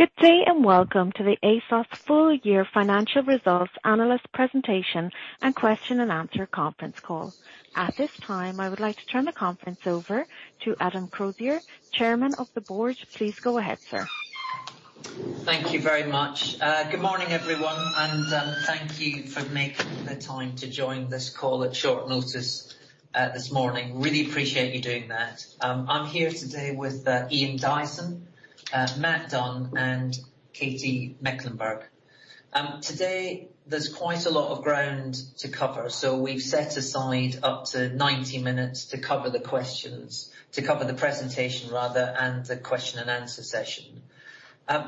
Good day, and welcome to the ASOS Full Year Financial Results Analyst Presentation and Question and Answer Conference Call. At this time, I would like to turn the conference over to Adam Crozier, Chairman of the Board. Please go ahead, sir. Thank you very much. Good morning, everyone. Thank you for making the time to join this call at short notice this morning. Really appreciate you doing that. I'm here today with Ian Dyson, Mat Dunn, and Katy Mecklenburgh. There's quite a lot of ground to cover. We've set aside up to 90 minutes to cover the questions, to cover the presentation rather, the question and answer session.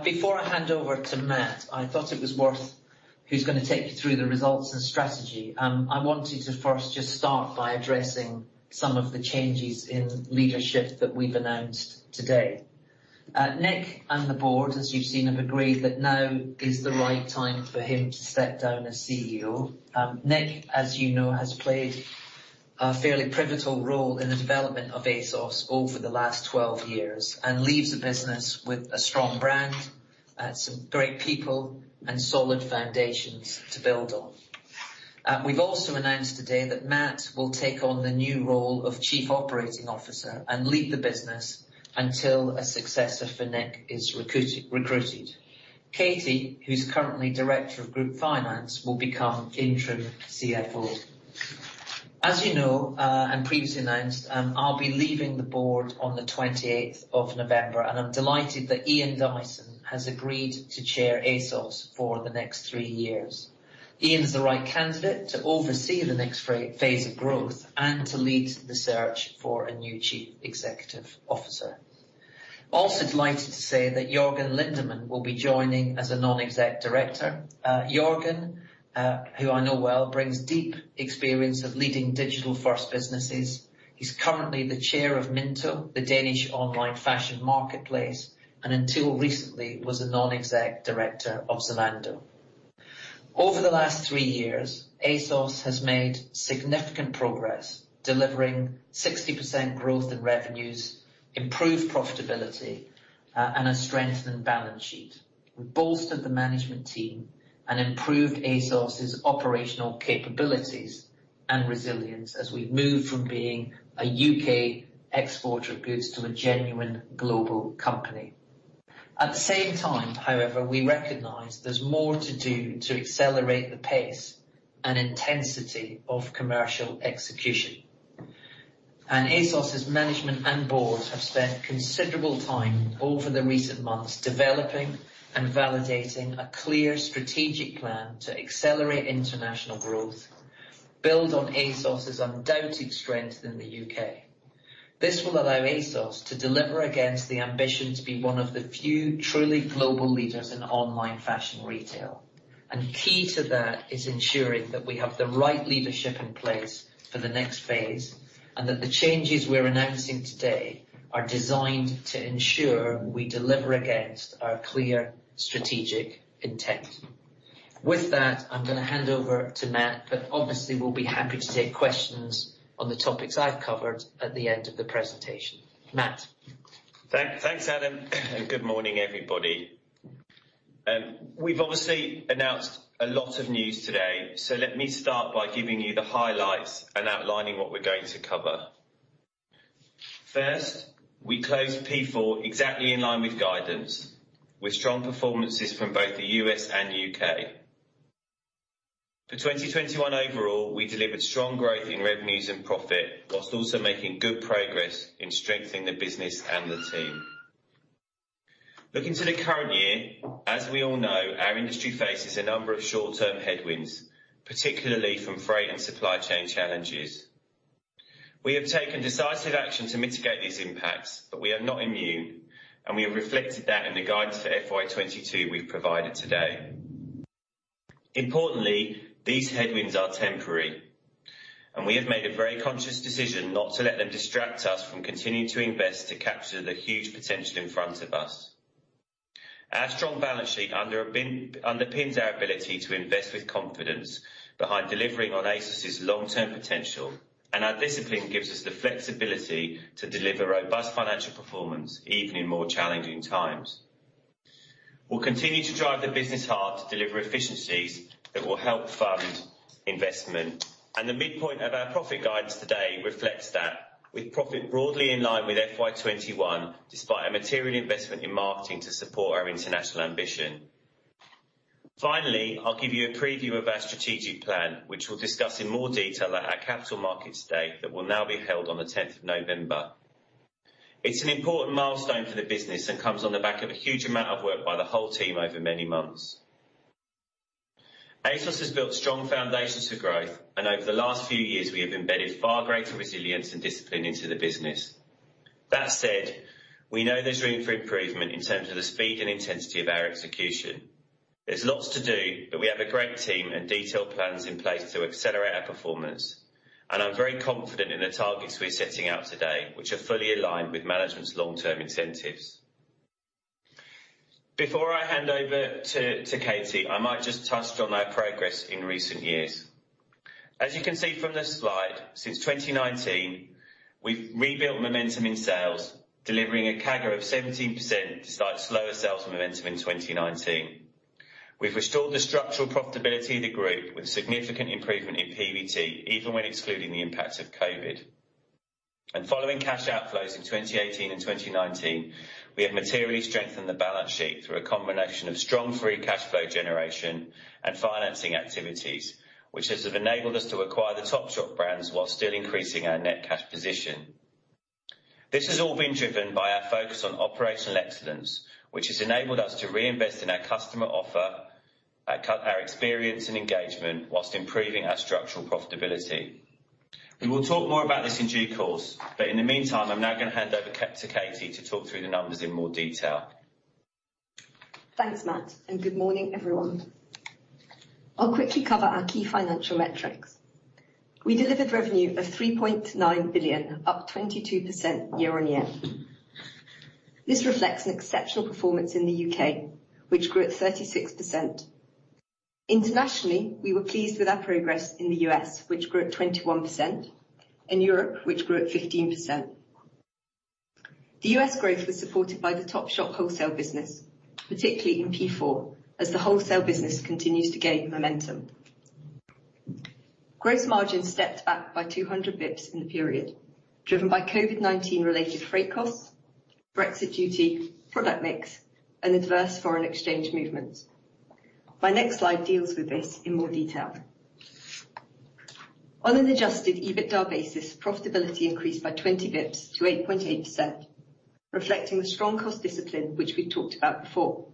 Before I hand over to Mat, I thought it was worth Who's going to take you through the results and strategy. I wanted to first just start by addressing some of the changes in leadership that we've announced today. Nick and the board, as you've seen, have agreed that now is the right time for him to step down as CEO. Nick, as you know, has played a fairly pivotal role in the development of ASOS over the last 12 years and leaves the business with a strong brand, some great people, and solid foundations to build on. We've also announced today that Mat will take on the new role of Chief Operating Officer and lead the business until a successor for Nick is recruited. Katy, who's currently Director of Group Finance, will become interim CFO. As you know, and previously announced, I'll be leaving the board on the 28th of November, and I'm delighted that Ian Dyson has agreed to Chair ASOS for the next three years. Ian is the right candidate to oversee the next phase of growth and to lead the search for a new Chief Executive Officer. Also delighted to say that Jørgen Lindemann will be joining as a Non-Executive Director. Jørgen, who I know well, brings deep experience of leading digital first businesses. He's currently the chair of Miinto, the Danish online fashion marketplace, and until recently was a non-exec director of Zalando. Over the last three years, ASOS has made significant progress delivering 60% growth in revenues, improved profitability, and a strengthened balance sheet. We bolstered the management team and improved ASOS's operational capabilities and resilience as we've moved from being a U.K. exporter of goods to a genuine global company. At the same time, however, we recognize there's more to do to accelerate the pace and intensity of commercial execution. ASOS's management and board have spent considerable time over the recent months developing and validating a clear strategic plan to accelerate international growth, build on ASOS's undoubted strength in the U.K. This will allow ASOS to deliver against the ambition to be one of the few truly global leaders in online fashion retail. Key to that is ensuring that we have the right leadership in place for the next phase, and that the changes we're announcing today are designed to ensure we deliver against our clear strategic intent. With that, I'm going to hand over to Mat, but obviously, we'll be happy to take questions on the topics I've covered at the end of the presentation. Mat? Thanks, Adam, and good morning, everybody. We've obviously announced a lot of news today. Let me start by giving you the highlights and outlining what we're going to cover. First, we closed Q4 exactly in line with guidance, with strong performances from both the U.S. and U.K. For 2021 overall, we delivered strong growth in revenues and profit, whilst also making good progress in strengthening the business and the team. Looking to the current year, as we all know, our industry faces a number of short-term headwinds, particularly from freight and supply chain challenges. We have taken decisive action to mitigate these impacts, but we are not immune, and we have reflected that in the guides for FY 2022 we've provided today. Importantly, these headwinds are temporary, and we have made a very conscious decision not to let them distract us from continuing to invest to capture the huge potential in front of us. Our strong balance sheet underpins our ability to invest with confidence behind delivering on ASOS's long term potential, and our discipline gives us the flexibility to deliver robust financial performance, even in more challenging times. We'll continue to drive the business hard to deliver efficiencies that will help fund investment. The midpoint of our profit guidance today reflects that with profit broadly in line with FY 2021, despite a material investment in marketing to support our international ambition. Finally, I'll give you a preview of our strategic plan, which we'll discuss in more detail at our Capital Markets Day that will now be held on the 10th of November. It's an important milestone for the business and comes on the back of a huge amount of work by the whole team over many months. ASOS has built strong foundations for growth, and over the last few years, we have embedded far greater resilience and discipline into the business. That said, we know there's room for improvement in terms of the speed and intensity of our execution. There's lots to do, but we have a great team and detailed plans in place to accelerate our performance, and I'm very confident in the targets we're setting out today, which are fully aligned with management's long term incentives. Before I hand over to Katy, I might just touch on our progress in recent years. As you can see from the slide, since 2019, we've rebuilt momentum in sales, delivering a CAGR of 17% despite slower sales momentum in 2019. We've restored the structural profitability of the group with significant improvement in PBT, even when excluding the impacts of COVID. Following cash outflows in 2018 and 2019, we have materially strengthened the balance sheet through a combination of strong free cash flow generation and financing activities, which has enabled us to acquire the Topshop brands while still increasing our net cash position. This has all been driven by our focus on operational excellence, which has enabled us to reinvest in our customer offer, our experience and engagement, whilst improving our structural profitability. We will talk more about this in due course. In the meantime, I'm now going to hand over to Katy to talk through the numbers in more detail. Thanks, Mat, good morning, everyone. I'll quickly cover our key financial metrics. We delivered revenue of 3.9 billion, up 22% year-on-year. This reflects an exceptional performance in the U.K., which grew at 36%. Internationally, we were pleased with our progress in the U.S., which grew at 21%, and Europe, which grew at 15%. The U.S. growth was supported by the Topshop wholesale business, particularly in P4, as the wholesale business continues to gain momentum. Gross margin stepped back by 200 bips in the period, driven by COVID-19 related freight costs, Brexit duty, product mix, and adverse foreign exchange movements. My next slide deals with this in more detail. On an adjusted EBITDA basis, profitability increased by 20 bips to 8.8%, reflecting the strong cost discipline, which we talked about before.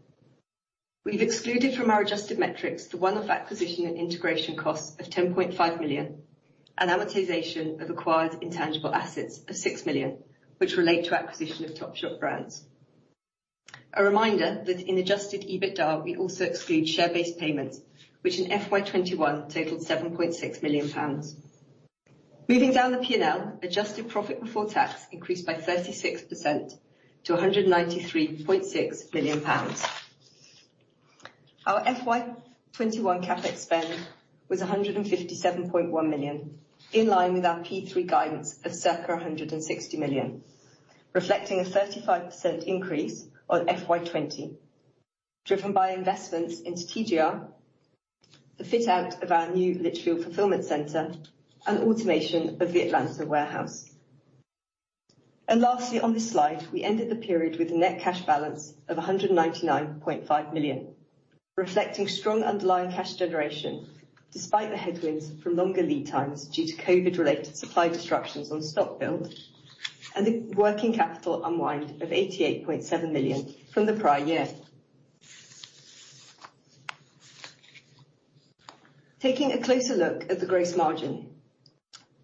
We've excluded from our adjusted metrics the one-off acquisition and integration costs of 10.5 million, and amortization of acquired intangible assets of 6 million, which relate to acquisition of Topshop brands. A reminder that in adjusted EBITDA, we also exclude share-based payments, which in FY 2021 totaled 7.6 million pounds. Moving down the P&L, adjusted profit before tax increased by 36% to 193.6 million pounds. Our FY 2021 CapEx spend was 157.1 million, in line with our P3 guidance of circa 160 million, reflecting a 35% increase on FY 2020, driven by investments into TGR, the fit out of our new Lichfield fulfillment center, and automation of the Atlanta warehouse. Lastly, on this slide, we ended the period with a net cash balance of 199.5 million, reflecting strong underlying cash generation despite the headwinds from longer lead times due to COVID-related supply disruptions on stock build and the working capital unwind of 88.7 million from the prior year. Taking a closer look at the gross margin,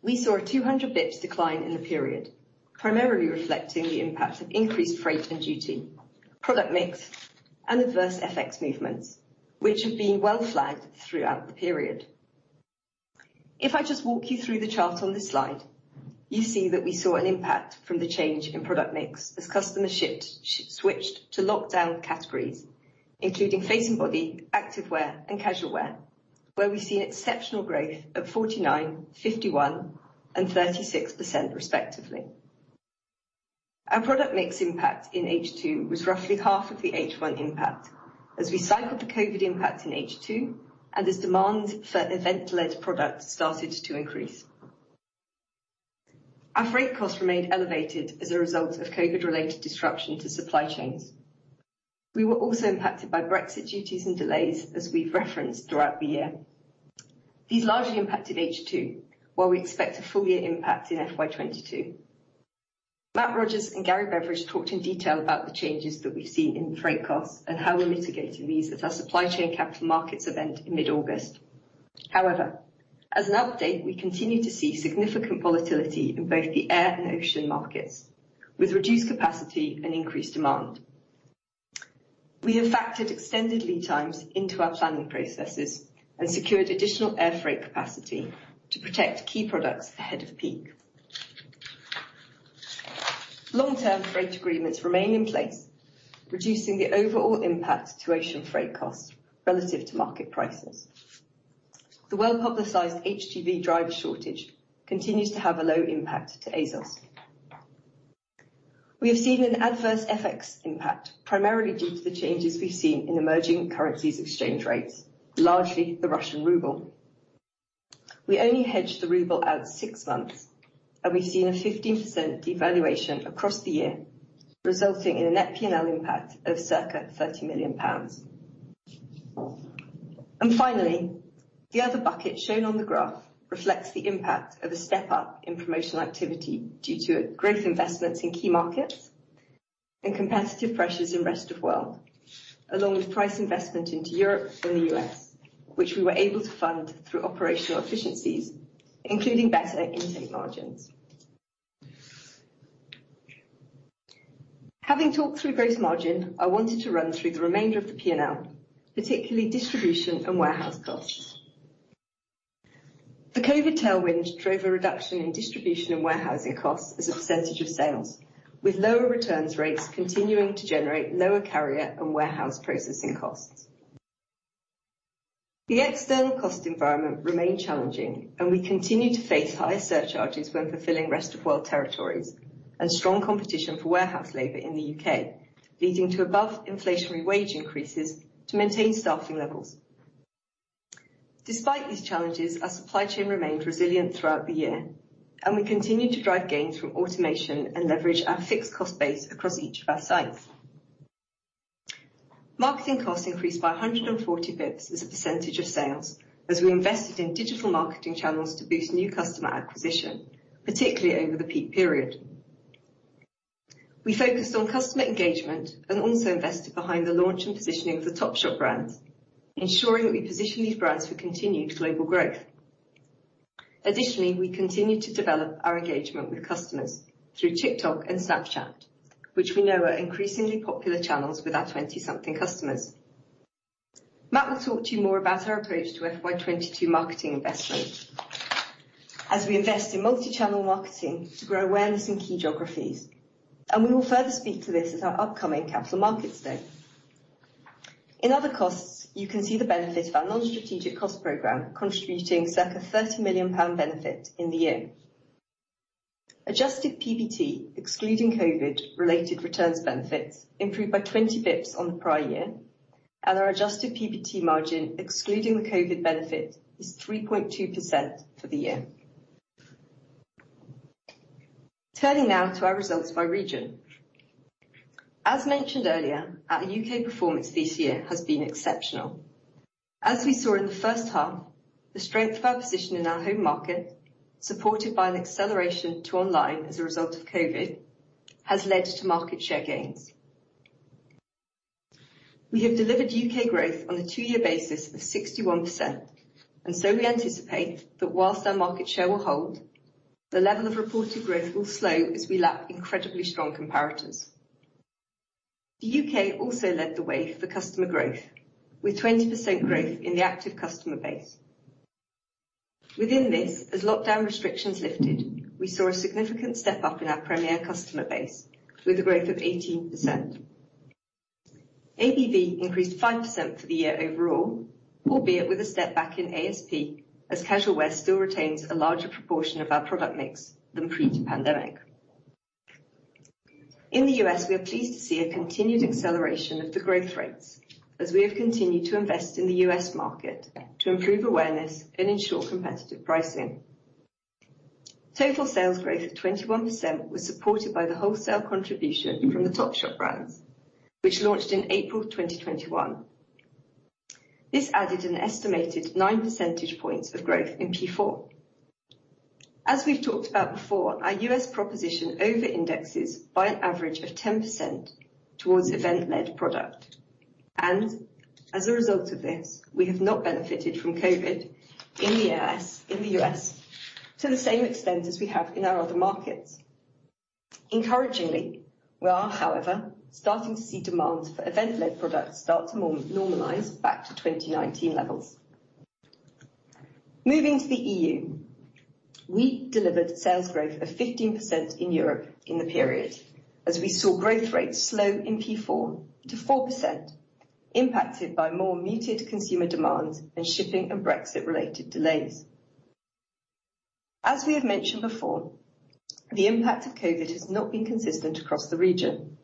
we saw a 200 bips decline in the period, primarily reflecting the impact of increased freight and duty, product mix, and adverse FX movements, which have been well flagged throughout the period. If I just walk you through the chart on this slide, you see that we saw an impact from the change in product mix as customers switched to lockdown categories, including face and body, activewear, and casualwear, where we've seen exceptional growth of 49%, 51%, and 36% respectively. Our product mix impact in H2 was roughly half of the H1 impact as we cycled the COVID impact in H2 and as demand for event-led products started to increase. Our freight costs remained elevated as a result of COVID-related disruption to supply chains. We were also impacted by Brexit duties and delays, as we've referenced throughout the year. These largely impacted H2, while we expect a full year impact in FY 2022. Mathew Dunn and Gary Beveridge talked in detail about the changes that we've seen in freight costs and how we're mitigating these at our supply chain capital markets event in mid-August. As an update, we continue to see significant volatility in both the air and ocean markets, with reduced capacity and increased demand. We have factored extended lead times into our planning processes and secured additional air freight capacity to protect key products ahead of peak. Long-term freight agreements remain in place, reducing the overall impact to ocean freight costs relative to market prices. The well-publicized HGV driver shortage continues to have a low impact to ASOS. We have seen an adverse FX impact, primarily due to the changes we've seen in emerging currencies exchange rates, largely the Russian ruble. We only hedged the ruble out 6 months, we've seen a 15% devaluation across the year, resulting in a net P&L impact of circa 30 million pounds. Finally, the other bucket shown on the graph reflects the impact of a step up in promotional activity due to growth investments in key markets and competitive pressures in rest of world, along with price investment into Europe and the U.S., which we were able to fund through operational efficiencies, including better intake margins. Having talked through gross margin, I wanted to run through the remainder of the P&L, particularly distribution and warehouse costs. The COVID tailwind drove a reduction in distribution and warehousing costs as a percentage of sales, with lower returns rates continuing to generate lower carrier and warehouse processing costs. The external cost environment remained challenging, and we continued to face higher surcharges when fulfilling rest-of-world territories and strong competition for warehouse labor in the U.K., leading to above-inflationary wage increases to maintain staffing levels. Despite these challenges, our supply chain remained resilient throughout the year, and we continued to drive gains from automation and leverage our fixed cost base across each of our sites. Marketing costs increased by 140 basis points as a percentage of sales as we invested in digital marketing channels to boost new customer acquisition, particularly over the peak period. We focused on customer engagement and also invested behind the launch and positioning of the Topshop brands, ensuring that we position these brands for continued global growth. Additionally, we continued to develop our engagement with customers through TikTok and Snapchat, which we know are increasingly popular channels with our 20-something customers. Mat will talk to you more about our approach to FY 2022 marketing investments as we invest in multi-channel marketing to grow awareness in key geographies, and we will further speak to this at our upcoming Capital Markets Day. In other costs, you can see the benefit of our non-strategic cost program contributing circa GBP 30 million benefit in the year. Adjusted PBT, excluding COVID related returns benefits, improved by 20 basis points on the prior year, and our adjusted PBT margin, excluding the COVID benefit, is 3.2% for the year. Turning now to our results by region. As mentioned earlier, our U.K. performance this year has been exceptional. As we saw in the first half, the strength of our position in our home market, supported by an acceleration to online as a result of COVID, has led to market share gains. We have delivered U.K. growth on a two-year basis of 61%. We anticipate that whilst our market share will hold, the level of reported growth will slow as we lap incredibly strong comparators. The U.K. also led the way for customer growth, with 20% growth in the active customer base. Within this, as lockdown restrictions lifted, we saw a significant step-up in our ASOS Premier customer base with a growth of 18%. ABV increased 5% for the year overall, albeit with a step back in ASP, as casual wear still retains a larger proportion of our product mix than pre-pandemic. In the U.S., we are pleased to see a continued acceleration of the growth rates as we have continued to invest in the U.S. market to improve awareness and ensure competitive pricing. Total sales growth at 21% was supported by the wholesale contribution from the Topshop brands, which launched in April 2021. This added an estimated nine percentage points of growth in Q4. As we've talked about before, our U.S. proposition over-indexes by an average of 10% towards event-led product. As a result of this, we have not benefited from COVID in the U.S. to the same extent as we have in our other markets. Encouragingly, we are, however, starting to see demand for event-led products start to normalize back to 2019 levels. Moving to the EU, we delivered sales growth of 15% in Europe in the period as we saw growth rates slow in Q4 to 4%, impacted by more muted consumer demand and shipping and Brexit-related delays. As we have mentioned before, the impact of COVID has not been consistent across the region.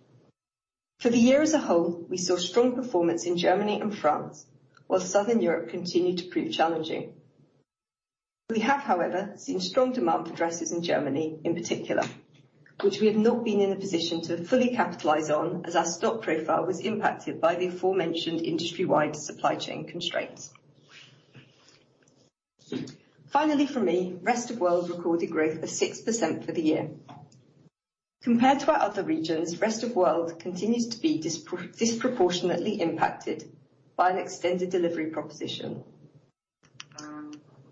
For the year as a whole, we saw strong performance in Germany and France, while Southern Europe continued to prove challenging. We have, however, seen strong demand for dresses in Germany in particular, which we have not been in a position to fully capitalize on as our stock profile was impacted by the aforementioned industry-wide supply chain constraints. Finally from me, rest of world recorded growth of 6% for the year. Compared to our other regions, rest of world continues to be disproportionately impacted by an extended delivery proposition.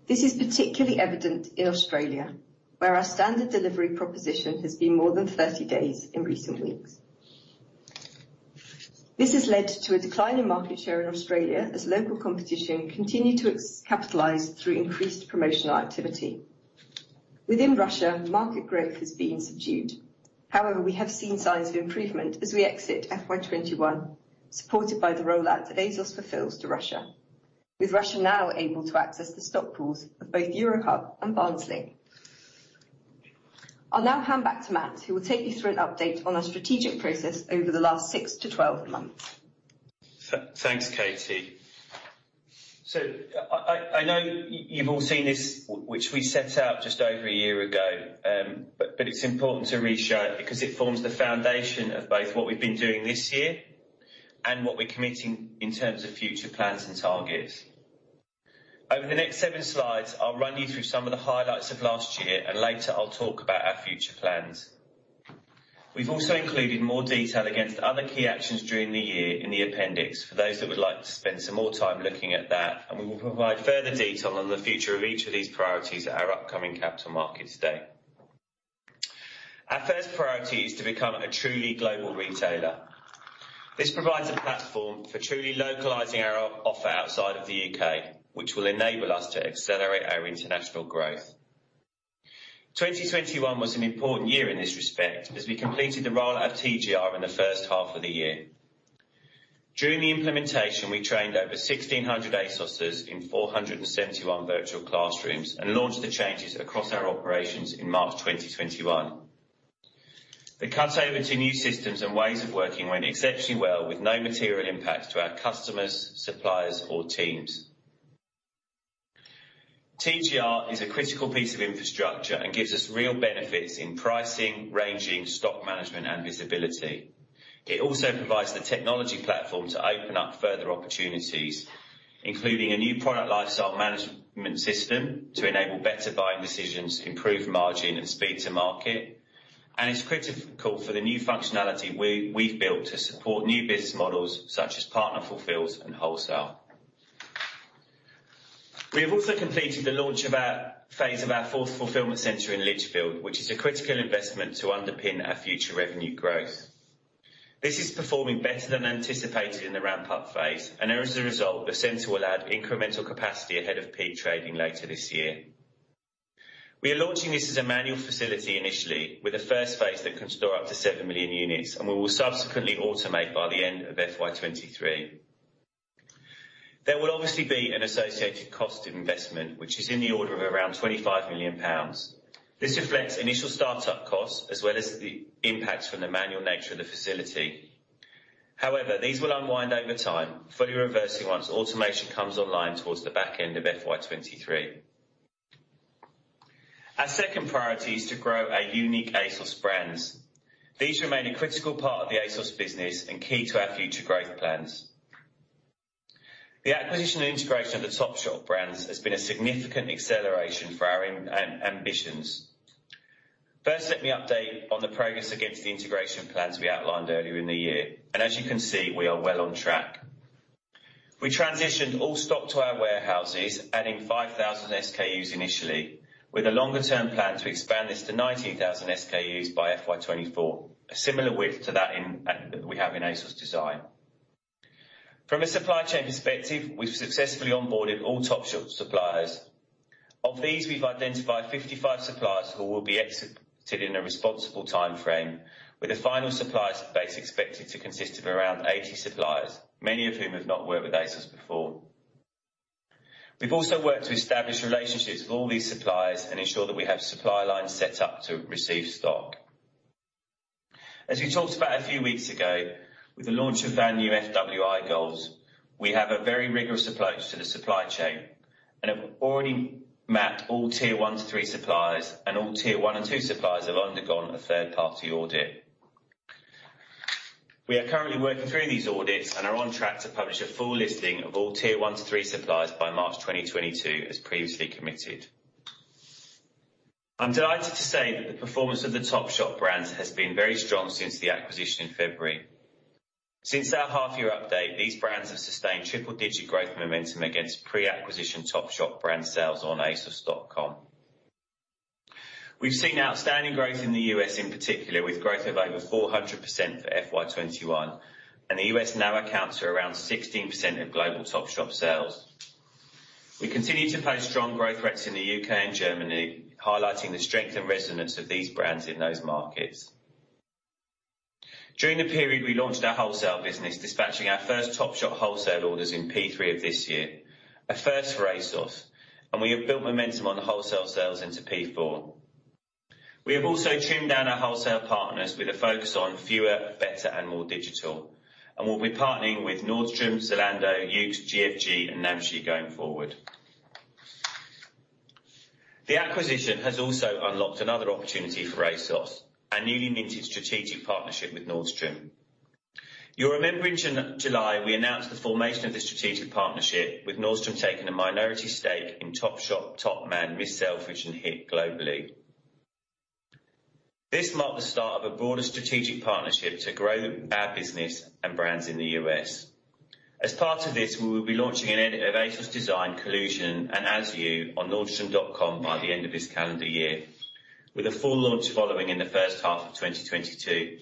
This is particularly evident in Australia, where our standard delivery proposition has been more than 30 days in recent weeks. This has led to a decline in market share in Australia as local competition continued to capitalize through increased promotional activity. Within Russia, market growth has been subdued. However, we have seen signs of improvement as we exit FY 2021, supported by the rollout of ASOS Fulfils to Russia, with Russia now able to access the stock pools of both Eurohub and Barnsley. I'll now hand back to Mat, who will take you through an update on our strategic process over the last 6-12 months. Thanks, Katy. I know you've all seen this, which we set out just over one year ago, but it's important to reshow it because it forms the foundation of both what we've been doing this year and what we're committing in terms of future plans and targets. Over the next seven slides, I'll run you through some of the highlights of last year, and later I'll talk about our future plans. We've also included more detail against other key actions during the year in the appendix for those that would like to spend some more time looking at that, and we will provide further detail on the future of each of these priorities at our upcoming Capital Markets Day. Our first priority is to become a truly global retailer. This provides a platform for truly localizing our offer outside of the U.K., which will enable us to accelerate our international growth. 2021 was an important year in this respect as we completed the roll out of TGR in the first half of the year. During the implementation, we trained over 1,600 ASOS in 471 virtual classrooms and launched the changes across our operations in March 2021. The cut over to new systems and ways of working went exceptionally well with no material impact to our customers, suppliers or teams. TGR is a critical piece of infrastructure and gives us real benefits in pricing, ranging, stock management and visibility. It also provides the technology platform to open up further opportunities, including a new product lifecycle management system to enable better buying decisions, improve margin and speed to market. It's critical for the new functionality we've built to support new business models such as Partner Fulfils and wholesale. We have also completed the launch phase of our fourth fulfillment center in Lichfield, which is a critical investment to underpin our future revenue growth. This is performing better than anticipated in the ramp-up phase, and as a result, the center will add incremental capacity ahead of peak trading later this year. We are launching this as a manual facility initially, with a first phase that can store up to 7 million units, and we will subsequently automate by the end of FY23. There will obviously be an associated cost of investment, which is in the order of around £25 million. This reflects initial startup costs as well as the impacts from the manual nature of the facility. However, these will unwind over time, fully reversing once automation comes online towards the back end of FY 2023. Our second priority is to grow our unique ASOS brands. These remain a critical part of the ASOS business and key to our future growth plans. The acquisition and integration of the Topshop brands has been a significant acceleration for our ambitions. First, let me update on the progress against the integration plans we outlined earlier in the year, and as you can see, we are well on track. We transitioned all stock to our warehouses, adding 5,000 SKUs initially, with a longer term plan to expand this to 19,000 SKUs by FY 2024, a similar width to that we have in ASOS DESIGN. From a supply chain perspective, we've successfully onboarded all Topshop suppliers. Of these, we've identified 55 suppliers who will be exited in a responsible timeframe, with a final supplier base expected to consist of around 80 suppliers, many of whom have not worked with ASOS before. We've also worked to establish relationships with all these suppliers and ensure that we have supply lines set up to receive stock. As we talked about a few weeks ago, with the launch of our new FWI goals, we have a very rigorous approach to the supply chain and have already mapped all tier one to three suppliers, and all tier one and two suppliers have undergone a third party audit. We are currently working through these audits and are on track to publish a full listing of all tier one to three suppliers by March 2022, as previously committed. I'm delighted to say that the performance of the Topshop brands has been very strong since the acquisition in February. Since our half year update, these brands have sustained triple-digit growth momentum against pre-acquisition Topshop brand sales on asos.com. We've seen outstanding growth in the U.S. in particular, with growth of over 400% for FY 2021, and the U.S. now accounts for around 16% of global Topshop sales. We continue to post strong growth rates in the U.K. and Germany, highlighting the strength and resonance of these brands in those markets. During the period, we launched our wholesale business, dispatching our first Topshop wholesale orders in P3 of this year, a first for ASOS, and we have built momentum on wholesale sales into P4. We have also trimmed down our wholesale partners with a focus on fewer, better and more digital, and we'll be partnering with Nordstrom, Zalando, YOOX, GFG and Namshi going forward. The acquisition has also unlocked another opportunity for ASOS, a newly minted strategic partnership with Nordstrom. You'll remember in July, we announced the formation of the strategic partnership with Nordstrom taking a minority stake in Topshop, Topman, Miss Selfridge and HIIT globally. This marked the start of a broader strategic partnership to grow our business and brands in the U.S. As part of this, we will be launching an edit of ASOS DESIGN, COLLUSION and ASYOU on nordstrom.com by the end of this calendar year, with a full launch following in the first half of 2022.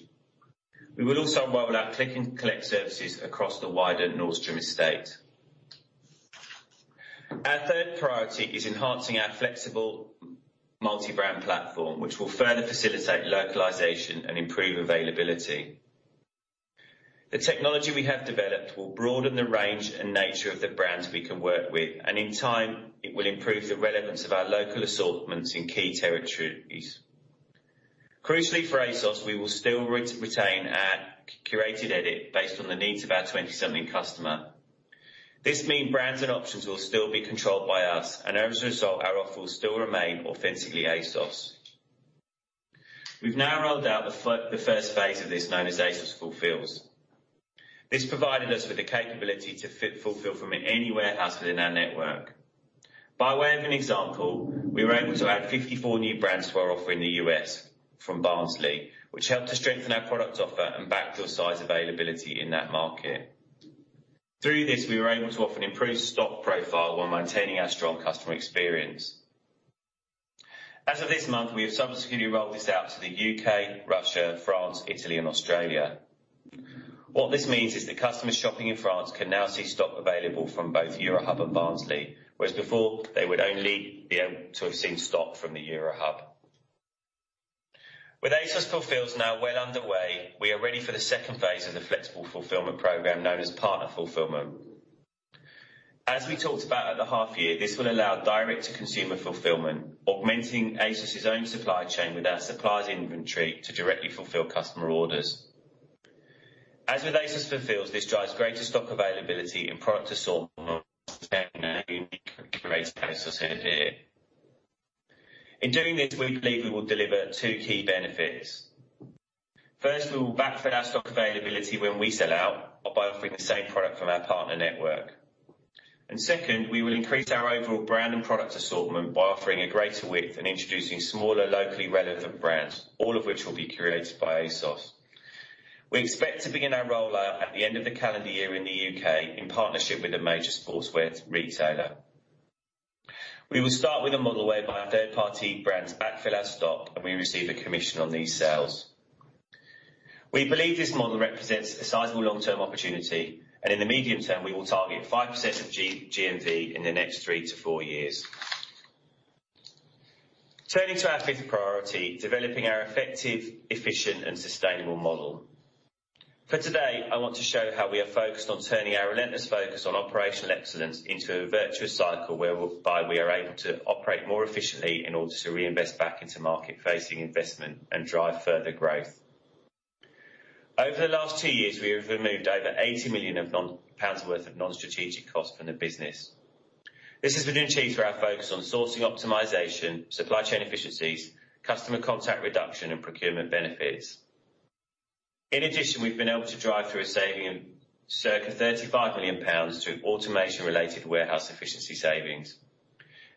We will also roll out click and collect services across the wider Nordstrom estate. Our third priority is enhancing our flexible multi-brand platform, which will further facilitate localization and improve availability. The technology we have developed will broaden the range and nature of the brands we can work with, and in time, it will improve the relevance of our local assortments in key territories. Crucially for ASOS, we will still retain our curated edit based on the needs of our 20 something customer. This means brands and options will still be controlled by us, and as a result, our offer will still remain authentically ASOS. We've now rolled out the first phase of this known as ASOS Fulfils. This provided us with the capability to fulfill from any warehouse within our network. By way of an example, we were able to add 54 new brands to our offer in the U.S. from Barnsley, which helped to strengthen our product offer and backfill size availability in that market. Through this, we were able to offer an improved stock profile while maintaining our strong customer experience. As of this month, we have subsequently rolled this out to the U.K., Russia, France, Italy, and Australia. What this means is that customers shopping in France can now see stock available from both Eurohub and Barnsley, whereas before they would only be able to have seen stock from the Eurohub. With ASOS Fulfils now well underway, we are ready for the second phase of the flexible fulfillment program, known as Partner Fulfils. As we talked about at the half year, this will allow direct to consumer fulfillment, augmenting ASOS' own supply chain with our suppliers' inventory to directly fulfill customer orders. As with ASOS Fulfils, this drives greater stock availability and product assortment. In doing this, we believe we will deliver two key benefits. First, we will backfill our stock availability when we sell out by offering the same product from our partner network. Second, we will increase our overall brand and product assortment by offering a greater width and introducing smaller, locally relevant brands, all of which will be curated by ASOS. We expect to begin our rollout at the end of the calendar year in the U.K. in partnership with a major sportswear retailer. We will start with a model whereby third-party brands backfill our stock, and we receive a commission on these sales. We believe this model represents a sizable long-term opportunity, and in the medium term, we will target 5% of GMV in the next three to four years. Turning to our fifth priority, developing our effective, efficient, and sustainable model. For today, I want to show how we are focused on turning our relentless focus on operational excellence into a virtuous cycle, whereby we are able to operate more efficiently in order to reinvest back into market-facing investment and drive further growth. Over the last two years, we have removed over 80 million pounds worth of non-strategic cost from the business. This has been achieved through our focus on sourcing optimization, supply chain efficiencies, customer contact reduction, and procurement benefits. In addition, we've been able to drive through a saving of circa 35 million pounds through automation related warehouse efficiency savings.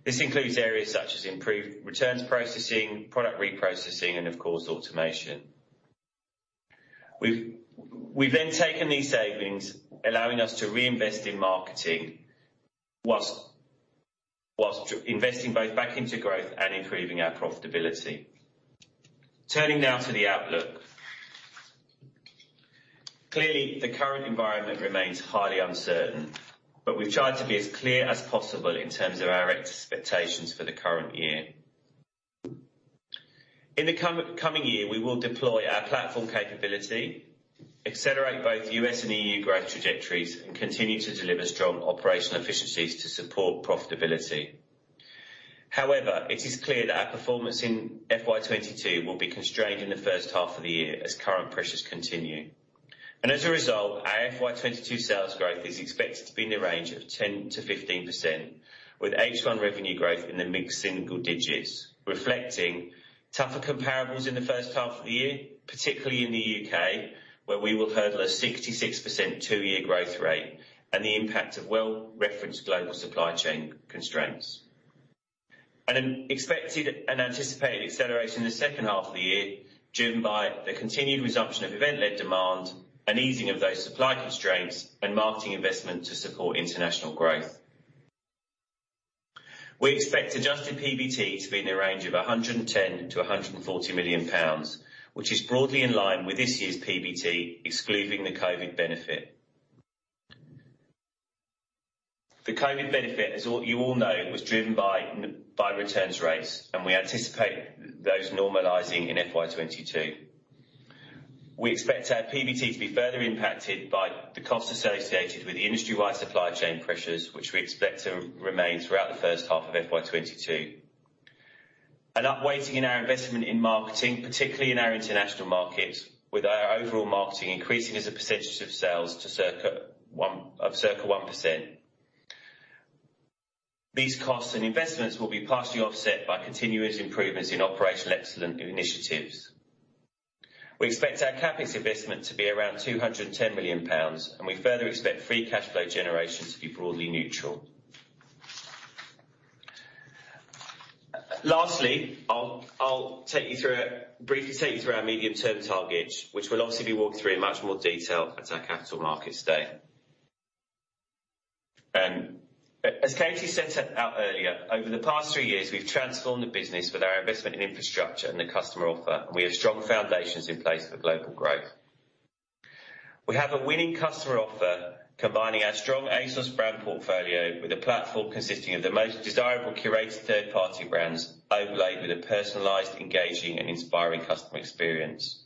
This includes areas such as improved returns processing, product reprocessing, and of course, automation. We've taken these savings, allowing us to reinvest in marketing while investing both back into growth and improving our profitability. Turning now to the outlook. Clearly, the current environment remains highly uncertain, we've tried to be as clear as possible in terms of our expectations for the current year. In the coming year, we will deploy our platform capability, accelerate both U.S. and EU growth trajectories, and continue to deliver strong operational efficiencies to support profitability. However, it is clear that our performance in FY 2022 will be constrained in the first half of the year as current pressures continue. As a result, our FY 2022 sales growth is expected to be in the range of 10%-15%, with H1 revenue growth in the mid single digits, reflecting tougher comparables in the first half of the year, particularly in the U.K., where we will hurdle a 66% two-year growth rate and the impact of well-referenced global supply chain constraints. An expected and anticipated acceleration in the second half of the year, driven by the continued resumption of event-led demand, an easing of those supply constraints and marketing investment to support international growth. We expect adjusted PBT to be in a range of 110 million-140 million pounds, which is broadly in line with this year's PBT, excluding the COVID benefit. The COVID benefit, as you all know, was driven by returns rates. We anticipate those normalizing in FY 2022. We expect our PBT to be further impacted by the cost associated with industry-wide supply chain pressures, which we expect to remain throughout the first half of FY 2022. Upweighting in our investment in marketing, particularly in our international markets, with our overall marketing increasing as a percentage of sales of circa 1%. These costs and investments will be partially offset by continuous improvements in operational excellence initiatives. We expect our CapEx investment to be around 210 million pounds. We further expect free cash flow generation to be broadly neutral. Lastly, I'll briefly take you through our medium-term targets, which will obviously be walked through in much more detail at our Capital Markets Day. As Katy set out earlier, over the past three years, we've transformed the business with our investment in infrastructure and the customer offer. We have strong foundations in place for global growth. We have a winning customer offer, combining our strong ASOS brand portfolio with a platform consisting of the most desirable curated third-party brands, overlaid with a personalized, engaging, and inspiring customer experience.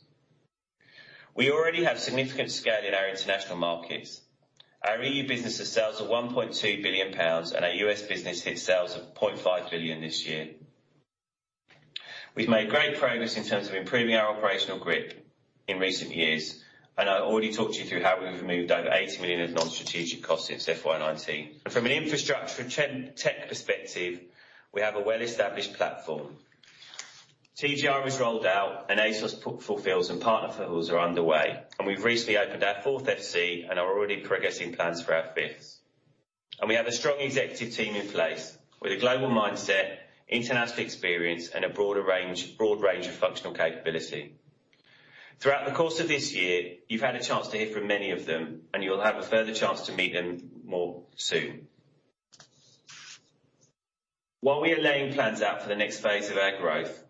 Our EU business has sales of £1.2 billion, and our U.S. business hit sales of 0.5 billion this year. We've made great progress in terms of improving our operational grip in recent years, and I already talked you through how we've removed over 80 million of non-strategic costs since FY 2019. From an infrastructure and tech perspective, we have a well-established platform. TGR is rolled out, and ASOS Fulfils and Partner Fulfils are underway, and we've recently opened our fourth FC and are already progressing plans for our fifth. We have a strong executive team in place with a global mindset, international experience, and a broad range of functional capability. Throughout the course of this year, you've had a chance to hear from many of them, and you'll have a further chance to meet them more soon. While we are laying plans out for the next phase of our growth,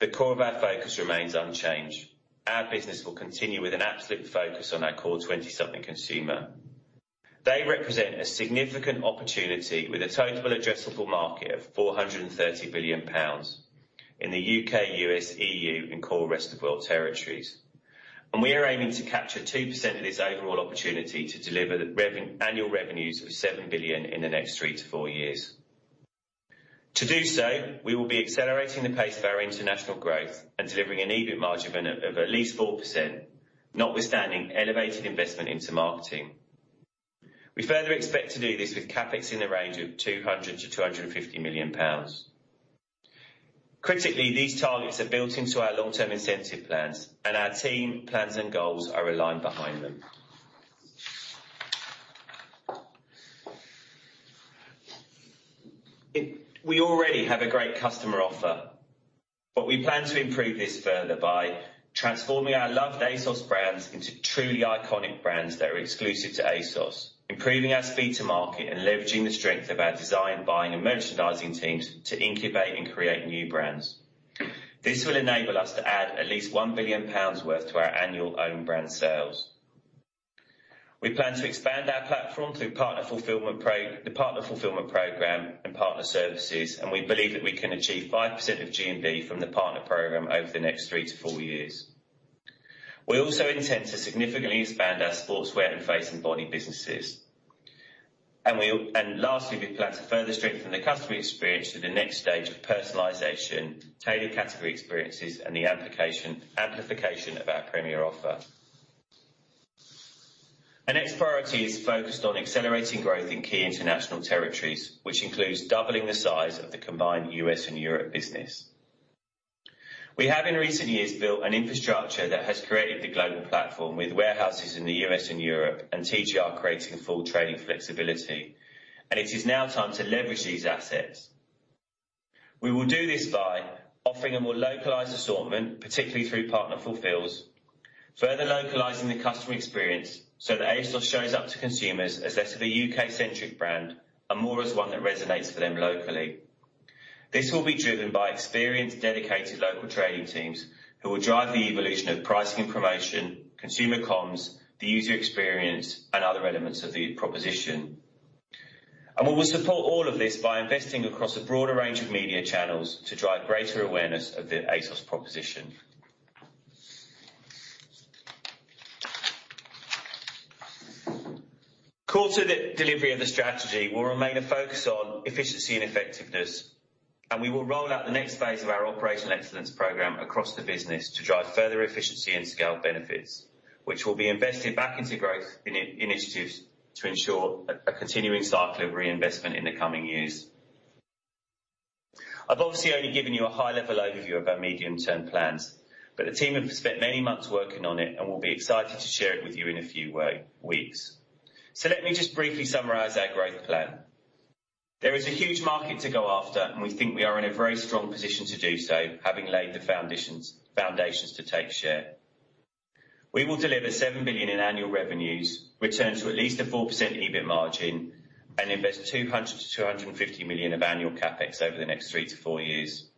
the core of our focus remains unchanged. Our business will continue with an absolute focus on our core 20-something consumer. They represent a significant opportunity with a total addressable market of 430 billion pounds in the U.K., U.S., EU, and core rest of world territories. We are aiming to capture 2% of this overall opportunity to deliver annual revenues of 7 billion in the next three to four years. To do so, we will be accelerating the pace of our international growth and delivering an EBIT margin of at least 4%, notwithstanding elevated investment into marketing. We further expect to do this with CapEx in the range of 200 million-250 million pounds. Critically, these targets are built into our long-term incentive plans, and our team plans and goals are aligned behind them. We already have a great customer offer, but we plan to improve this further by transforming our loved ASOS brands into truly iconic brands that are exclusive to ASOS, improving our speed to market, and leveraging the strength of our design, buying, and merchandising teams to incubate and create new brands. This will enable us to add at least 1 billion pounds worth to our annual own brand sales. We plan to expand our platform through the Partner Fulfils program and partner services. We believe that we can achieve 5% of GMV from the partner program over the next three to four years. We also intend to significantly expand our sportswear and face and body businesses. Lastly, we plan to further strengthen the customer experience to the next stage of personalization, tailored category experiences, and the amplification of our Premier offer. Our next priority is focused on accelerating growth in key international territories, which includes doubling the size of the combined U.S. and Europe business. We have, in recent years, built an infrastructure that has created the global platform with warehouses in the U.S. and Europe, and TGR creating full trading flexibility, and it is now time to leverage these assets. We will do this by offering a more localized assortment, particularly through Partner Fulfils, further localizing the customer experience so that ASOS shows up to consumers as less of a U.K.-centric brand and more as one that resonates for them locally. This will be driven by experienced, dedicated local trading teams who will drive the evolution of pricing information, consumer comms, the user experience, and other elements of the proposition. We will support all of this by investing across a broader range of media channels to drive greater awareness of the ASOS proposition. Core to the delivery of the strategy will remain a focus on efficiency and effectiveness, and we will roll out the next phase of our operational excellence program across the business to drive further efficiency and scale benefits, which will be invested back into growth initiatives to ensure a continuing cycle of reinvestment in the coming years. I've obviously only given you a high-level overview of our medium-term plans, but the team have spent many months working on it and will be excited to share it with you in a few weeks. Let me just briefly summarize our growth plan. There is a huge market to go after, and we think we are in a very strong position to do so, having laid the foundations to take share. We will deliver 7 billion in annual revenues, return to at least a 4% EBIT margin, and invest 200-250 million of annual CapEx over the next three to four years.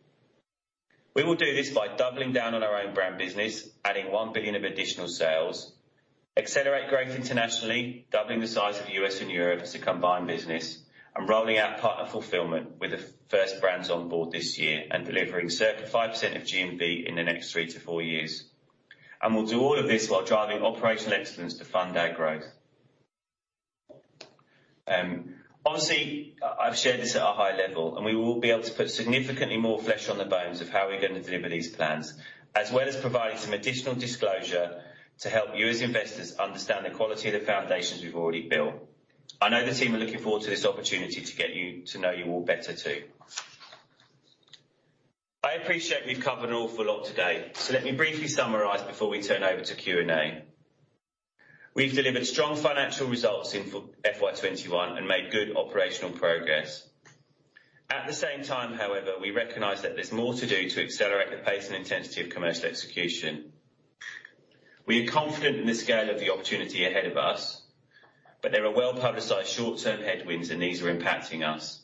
We will do this by doubling down on our own brand business, adding 1 billion of additional sales, accelerate growth internationally, doubling the size of the U.S. and Europe as a combined business, and rolling out Partner Fulfils with the first brands on board this year and delivering circa 5% of GMV in the next three to four years. We'll do all of this while driving operational excellence to fund our growth. Obviously, I've shared this at a high level, and we will be able to put significantly more flesh on the bones of how we're going to deliver these plans, as well as provide some additional disclosure to help you as investors understand the quality of the foundations we've already built. I know the team are looking forward to this opportunity to get to know you all better, too. I appreciate we've covered an awful lot today, so let me briefly summarize before we turn over to Q&A. We've delivered strong financial results in FY 2021 and made good operational progress. At the same time, however, we recognize that there's more to do to accelerate the pace and intensity of commercial execution. We are confident in the scale of the opportunity ahead of us, but there are well-publicized short-term headwinds, and these are impacting us.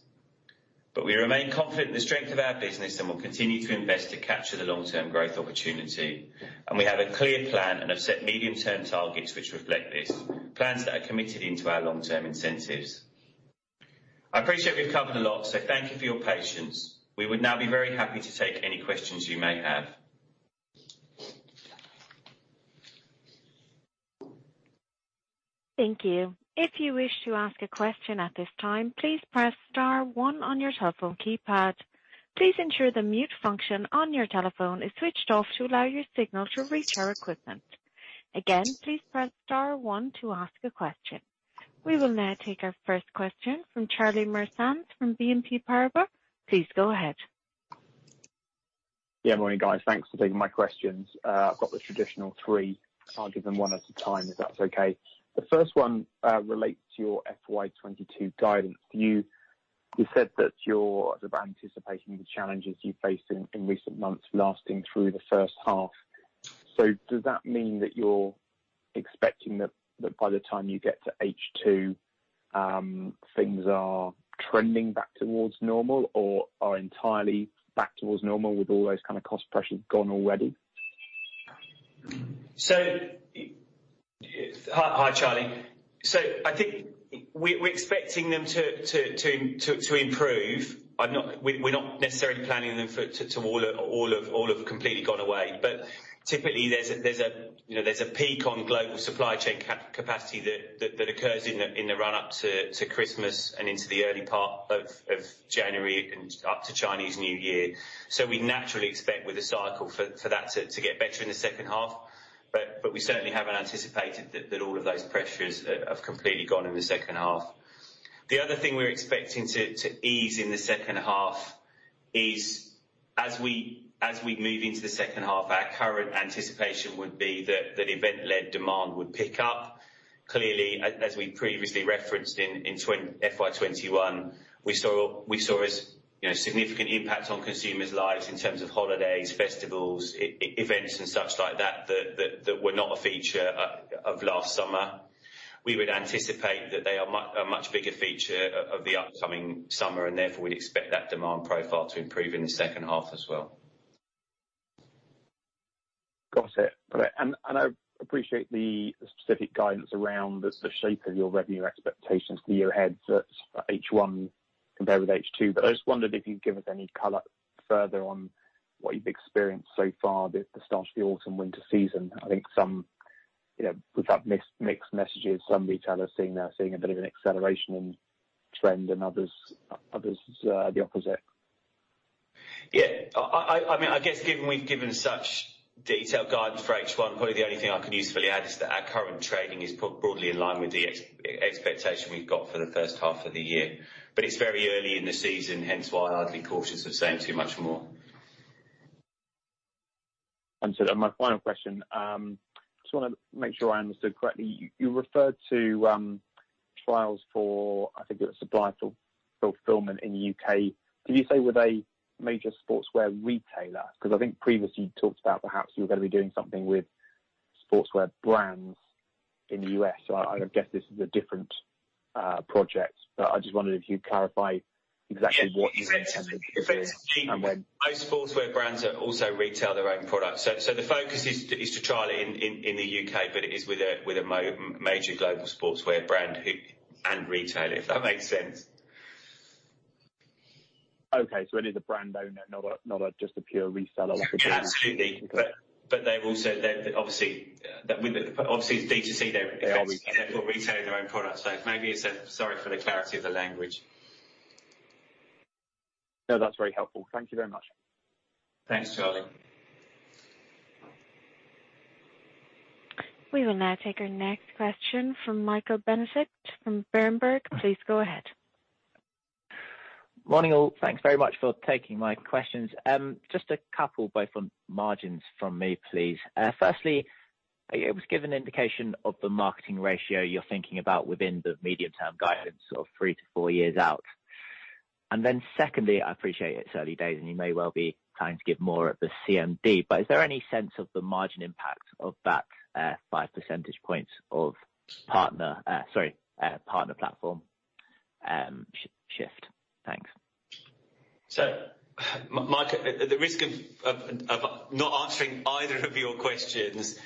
We remain confident in the strength of our business and will continue to invest to capture the long-term growth opportunity. We have a clear plan and have set medium-term targets which reflect this, plans that are committed into our long-term incentives. I appreciate we've covered a lot, so thank you for your patience. We would now be very happy to take any questions you may have. We will now take our first question from Charlie Muir-Sands from BNP Paribas. Please go ahead. Yeah, morning, guys. Thanks for taking my questions. I've got the traditional three. I'll give them one at a time, if that's okay. The first one relates to your FY 2022 guidance. You said that you're sort of anticipating the challenges you faced in recent months lasting through the first half. Does that mean that you're expecting that by the time you get to H2, things are trending back towards normal or are entirely back towards normal with all those kind of cost pressures gone already? Hi, Charlie. I think we're expecting them to improve. We're not necessarily planning on them to all have completely gone away. Typically, there's a peak on global supply chain capacity that occurs in the run-up to Christmas and into the early part of January and up to Chinese New Year. We naturally expect with the cycle for that to get better in the second half, but we certainly haven't anticipated that all of those pressures have completely gone in the second half. The other thing we're expecting to ease in the second half is as we move into the second half, our current anticipation would be that event-led demand would pick up. Clearly, as we previously referenced in FY 2021, we saw a significant impact on consumers' lives in terms of holidays, festivals, events, and such like that were not a feature of last summer. We would anticipate that they are a much bigger feature of the upcoming summer, and therefore, we'd expect that demand profile to improve in the second half as well. Got it. I appreciate the specific guidance around the shape of your revenue expectations for the year ahead for H1 compared with H2. I just wondered if you'd give us any color further on what you've experienced so far at the start of the autumn and winter season. I think some, with that mixed messages, some retailers are seeing a bit of an acceleration in trend and others the opposite. Yeah. I guess given we've given such detailed guidance for H1, probably the only thing I can usefully add is that our current trading is broadly in line with the expectation we've got for the first half of the year. It's very early in the season, hence why I'd be cautious of saying too much more. Understood. My final question, just want to make sure I understood correctly. You referred to trials for, I think it was supply fulfillment in the U.K. Did you say with a major sportswear retailer? I think previously you talked about perhaps you were going to be doing something with sportswear brands in the U.S., so I guess this is a different project. I just wondered if you'd clarify exactly what. Most sportswear brands also retail their own products. The focus is to trial it in the U.K., but it is with a major global sportswear brand and retailer, if that makes sense. Okay, it is a brand owner, not just a pure reseller like Amazon. Absolutely. Obviously, it's D2C, they're retail their own products. Sorry for the clarity of the language. No, that's very helpful. Thank you very much. Thanks, Charlie. We will now take our next question from Michael Benedict from Berenberg. Please go ahead. Morning, all. Thanks very much for taking my questions. Just a couple, both on margins from me, please. Firstly, are you able to give an indication of the marketing ratio you're thinking about within the medium term guidance of three to four years out? Secondly, I appreciate it's early days, and you may well be trying to give more at the CMD, but is there any sense of the margin impact of that 5 percentage points of partner platform shift? Thanks. Michael, the risk of not answering either of your questions,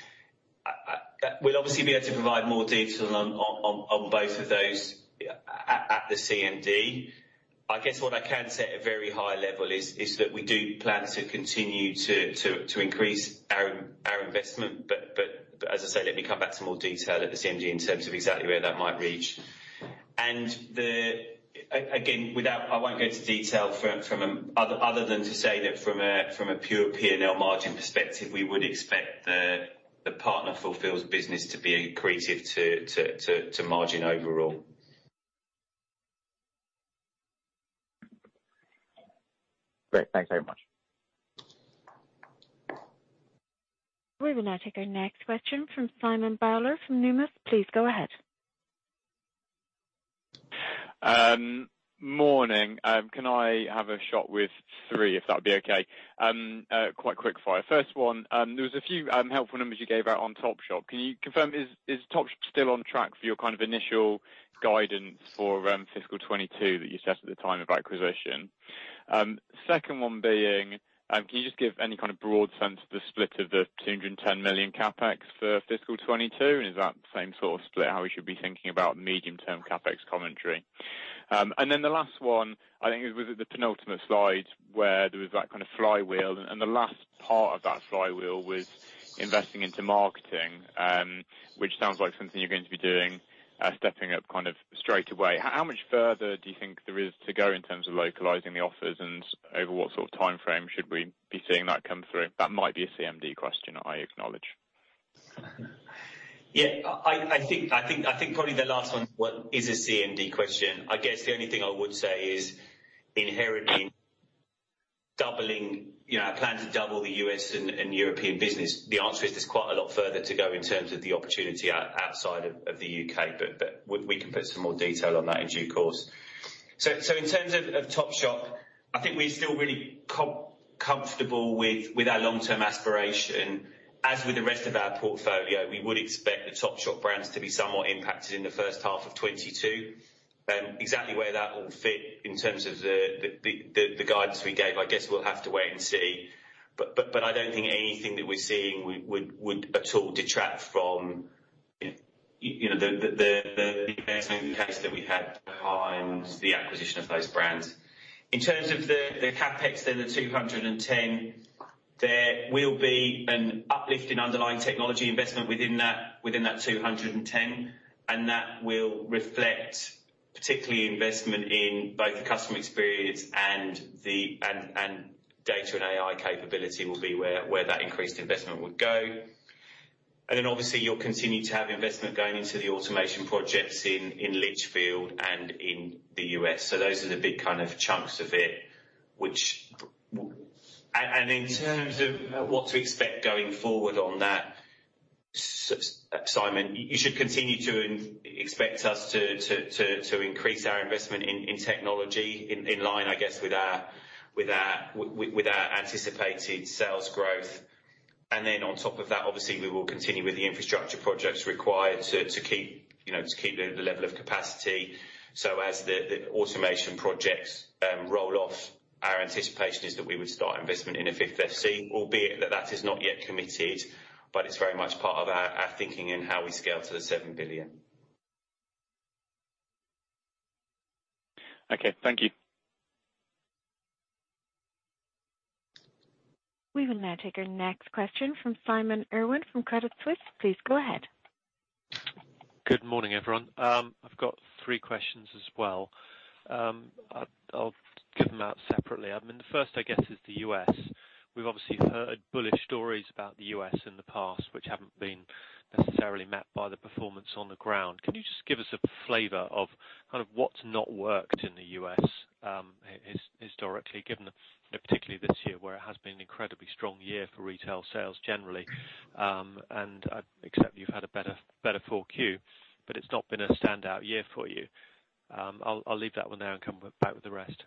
we'll obviously be able to provide more detail on both of those at the CMD. I guess what I can say at a very high level is that we do plan to continue to increase our investment. As I say, let me come back to more detail at the CMD in terms of exactly where that might reach. Again, I won't go into detail other than to say that from a pure P&L margin perspective, we would expect the Partner Fulfils business to be accretive to margin overall. Great. Thanks very much. We will now take our next question from Simon Bowler from Numis. Please go ahead. Morning. Can I have a shot with three, if that'd be okay? Quite quick fire. First one, there was a few helpful numbers you gave out on Topshop. Can you confirm, is Topshop still on track for your kind of initial guidance for FY 2022 that you set at the time of acquisition? Second one being, can you just give any kind of broad sense of the split of the 210 million CapEx for FY 2022, and is that the same sort of split how we should be thinking about medium term CapEx commentary? Then the last one, I think it was at the penultimate slide where there was that kind of flywheel, and the last part of that flywheel was investing into marketing, which sounds like something you're going to be doing, stepping up kind of straightaway. How much further do you think there is to go in terms of localizing the offers, and over what sort of timeframe should we be seeing that come through? That might be a CMD question, I acknowledge. Yeah. I think probably the last one is a CMD question. I guess the only thing I would say is inherently, doubling our plan to double the U.S. and European business, the answer is there's quite a lot further to go in terms of the opportunity outside of the U.K. We can put some more detail on that in due course. In terms of Topshop, I think we're still really comfortable with our long-term aspiration. As with the rest of our portfolio, we would expect the Topshop brands to be somewhat impacted in the first half of 2022. Exactly where that will fit in terms of the guidance we gave, I guess we'll have to wait and see. I don't think anything that we're seeing would at all detract from the investment case that we had behind the acquisition of those brands. In terms of the CapEx, then 210, there will be an uplift in underlying technology investment within that 210, and that will reflect particularly investment in both the customer experience and data and AI capability will be where that increased investment would go. Obviously you'll continue to have investment going into the automation projects in Lichfield and in the U.S. Those are the big kind of chunks of it. In terms of what to expect going forward on that, Simon, you should continue to expect us to increase our investment in technology in line, I guess, with our anticipated sales growth. On top of that, obviously we will continue with the infrastructure projects required to keep the level of capacity. As the automation projects roll off, our anticipation is that we would start investment in a fifth FC, albeit that that is not yet committed, but it's very much part of our thinking in how we scale to the 7 billion. Okay. Thank you. We will now take our next question from Simon Irwin from Credit Suisse. Please go ahead. Good morning, everyone. I've got three questions as well. I'll give them out separately. The first, I guess, is the U.S. We've obviously heard bullish stories about the U.S. in the past, which haven't been necessarily met by the performance on the ground. Can you just give us a flavor of kind of what's not worked in the U.S. historically, given particularly this year, where it has been an incredibly strong year for retail sales generally, and except you've had a better 4Q, but it's not been a standout year for you. I'll leave that 1 there and come back with the rest.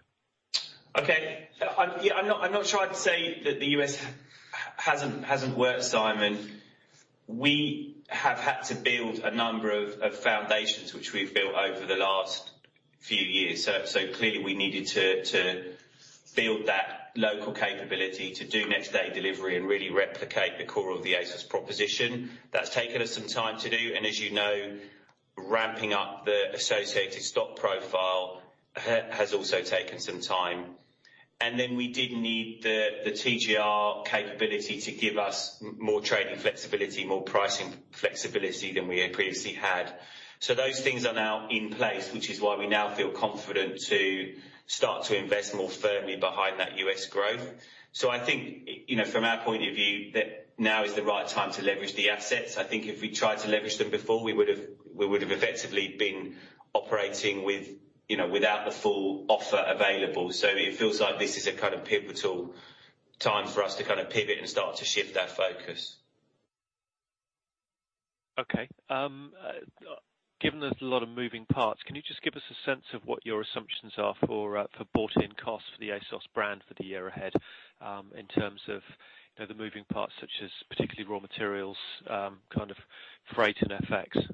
Okay. I'm not trying to say that the U.S. hasn't worked, Simon. We have had to build a number of foundations which we've built over the last few years. Clearly we needed to build that local capability to do next day delivery and really replicate the core of the ASOS proposition. That's taken us some time to do, and as you know, ramping up the associated stock profile has also taken some time. We did need the TGR capability to give us more trading flexibility, more pricing flexibility than we had previously had. Those things are now in place, which is why we now feel confident to start to invest more firmly behind that U.S. growth. I think, from our point of view, that now is the right time to leverage the assets. I think if we tried to leverage them before, we would've effectively been operating without the full offer available. It feels like this is a kind of pivotal time for us to pivot and start to shift our focus. Okay. Given there's a lot of moving parts, can you just give us a sense of what your assumptions are for bought-in costs for the ASOS brand for the year ahead, in terms of the moving parts such as particularly raw materials, freight and FX?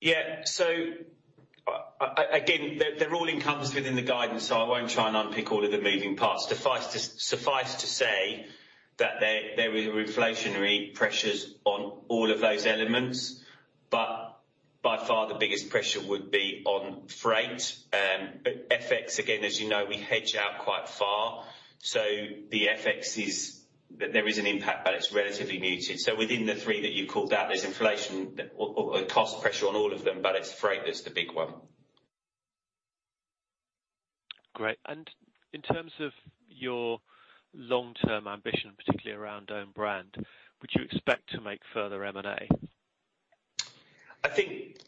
Yeah. Again, they're all encompassed within the guidance, I won't try and unpick all of the moving parts. Suffice to say that there is inflationary pressures on all of those elements, but by far the biggest pressure would be on freight. FX, again, as you know, we hedge out quite far. The FX is, there is an impact, but it's relatively muted. Within the three that you called out, there's inflation or cost pressure on all of them, but it's freight that's the big one. Great. In terms of your long-term ambition, particularly around own brand, would you expect to make further M&A? I think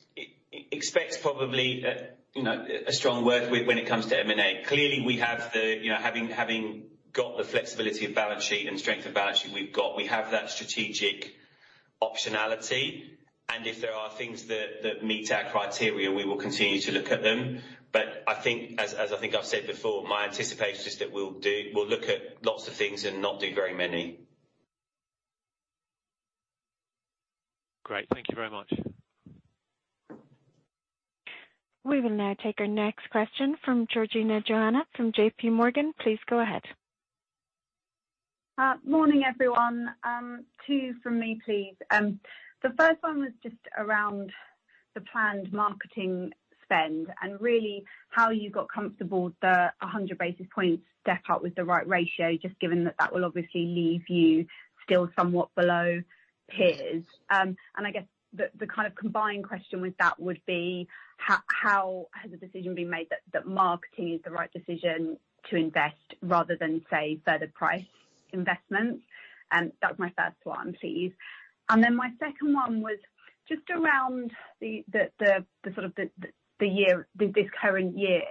expect probably a strong word when it comes to M&A. Clearly, having got the flexibility of balance sheet and strength of balance sheet we've got, we have that strategic optionality, and if there are things that meet our criteria, we will continue to look at them. I think as I think I've said before, my anticipation is that we'll look at lots of things and not do very many. Great. Thank you very much. We will now take our next question from Georgina Johanan from JPMorgan. Please go ahead. Morning, everyone. Two from me, please. The first one was just around the planned marketing spend and really how you got comfortable the 100 basis points step up was the right ratio, just given that that will obviously leave you still somewhat below peers. I guess the kind of combined question with that would be, how has the decision been made that marketing is the right decision to invest rather than, say, further price investments? That was my first one, please. My second one was just around the sort of this current year,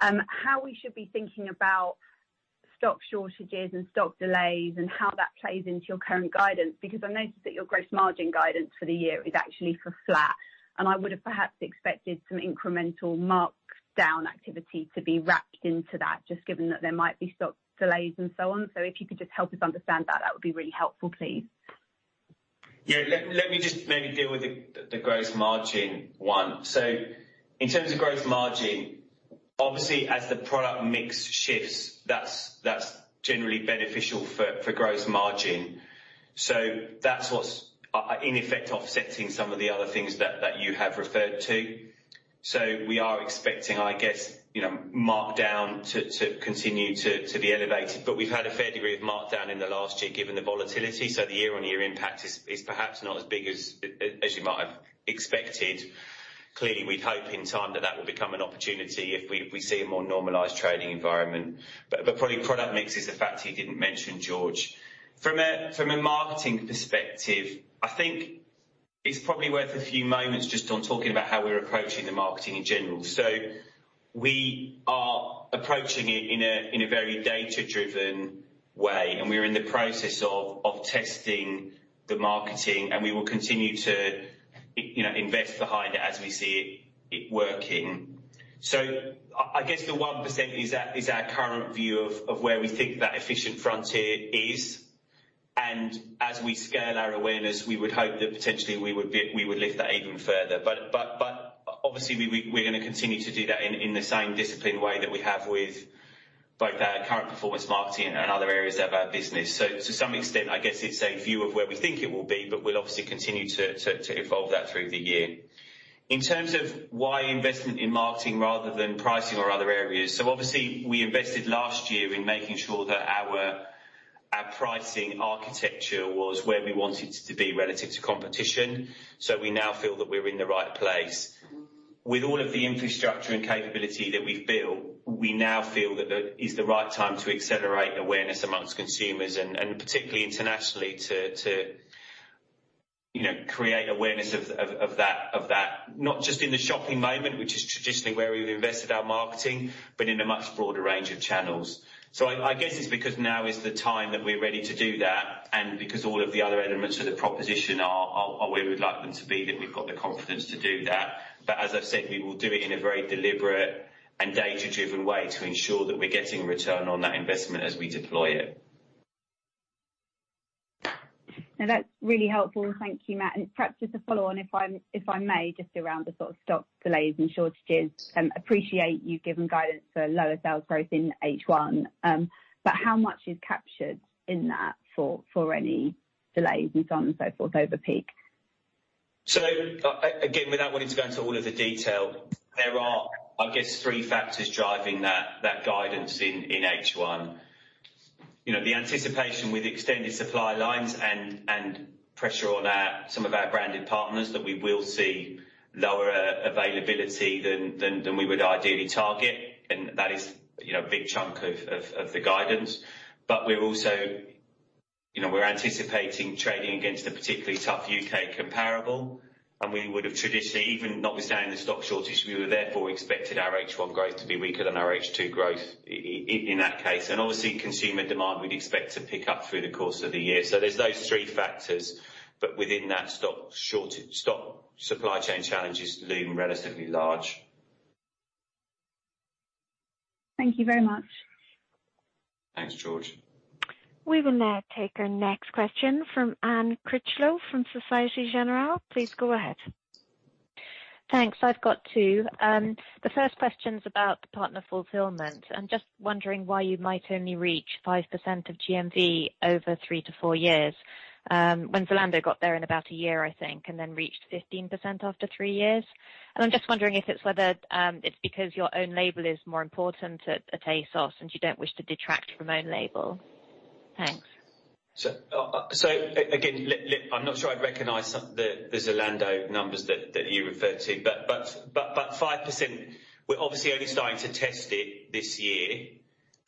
how we should be thinking about stock shortages and stock delays, and how that plays into your current guidance. I noticed that your gross margin guidance for the year is actually for flat, and I would have perhaps expected some incremental markdown activity to be wrapped into that, just given that there might be stock delays and so on. If you could just help us understand that would be really helpful, please. Yeah. Let me just maybe deal with the gross margin one. In terms of gross margin, obviously, as the product mix shifts, that's generally beneficial for gross margin. That's what's, in effect, offsetting some of the other things that you have referred to. We are expecting, I guess, markdown to continue to be elevated. We've had a fair degree of markdown in the last year, given the volatility. The year-on-year impact is perhaps not as big as you might have expected. Clearly, we'd hope in time that that will become an opportunity if we see a more normalized trading environment. Probably product mix is the factor you didn't mention, George. From a marketing perspective, I think it's probably worth a few moments just on talking about how we're approaching the marketing in general. We are approaching it in a very data-driven way, and we are in the process of testing the marketing, and we will continue to invest behind it as we see it working. I guess the 1% is our current view of where we think that efficient frontier is. As we scale our awareness, we would hope that potentially we would lift that even further. Obviously, we're going to continue to do that in the same disciplined way that we have with both our current performance marketing and other areas of our business. To some extent, I guess it's a view of where we think it will be, but we'll obviously continue to evolve that through the year. In terms of why investment in marketing rather than pricing or other areas, obviously, we invested last year in making sure that our pricing architecture was where we want it to be relative to competition. We now feel that we're in the right place. With all of the infrastructure and capability that we've built, we now feel that it is the right time to accelerate awareness amongst consumers and particularly internationally to create awareness of that, not just in the shopping moment, which is traditionally where we've invested our marketing, but in a much broader range of channels. I guess it's because now is the time that we're ready to do that, and because all of the other elements of the proposition are where we would like them to be, that we've got the confidence to do that. As I've said, we will do it in a very deliberate and data-driven way to ensure that we're getting return on that investment as we deploy it. No, that's really helpful. Thank you, Mat. Perhaps just a follow on, if I may, just around the sort of stock delays and shortages. Appreciate you giving guidance for lower sales growth in H1. How much is captured in that for any delays and so on and so forth over peak? Again, without wanting to go into all of the detail, there are, I guess, three factors driving that guidance in H1. The anticipation with extended supply lines and pressure on some of our branded partners that we will see lower availability than we would ideally target. That is a big chunk of the guidance. We're also anticipating trading against a particularly tough U.K. comparable, and we would have traditionally, even notwithstanding the stock shortage, we would therefore expected our H1 growth to be weaker than our H2 growth in that case. Obviously, consumer demand we'd expect to pick up through the course of the year. There's those three factors. Within that stock shortage, stock supply chain challenges loom relatively large. Thank you very much. Thanks, George. We will now take our next question from Anne Critchlow from Societe Generale. Please go ahead. Thanks. I've got two. The first question's about the Partner Fulfils. I'm just wondering why you might only reach 5% of GMV over three to four years when Zalando got there in about one year, I think, and then reached 15% after three years. I'm just wondering if it's whether it's because your own label is more important at ASOS and you don't wish to detract from own label. Thanks. Again, I'm not sure I recognize the Zalando numbers that you referred to, but 5%, we're obviously only starting to test it this year,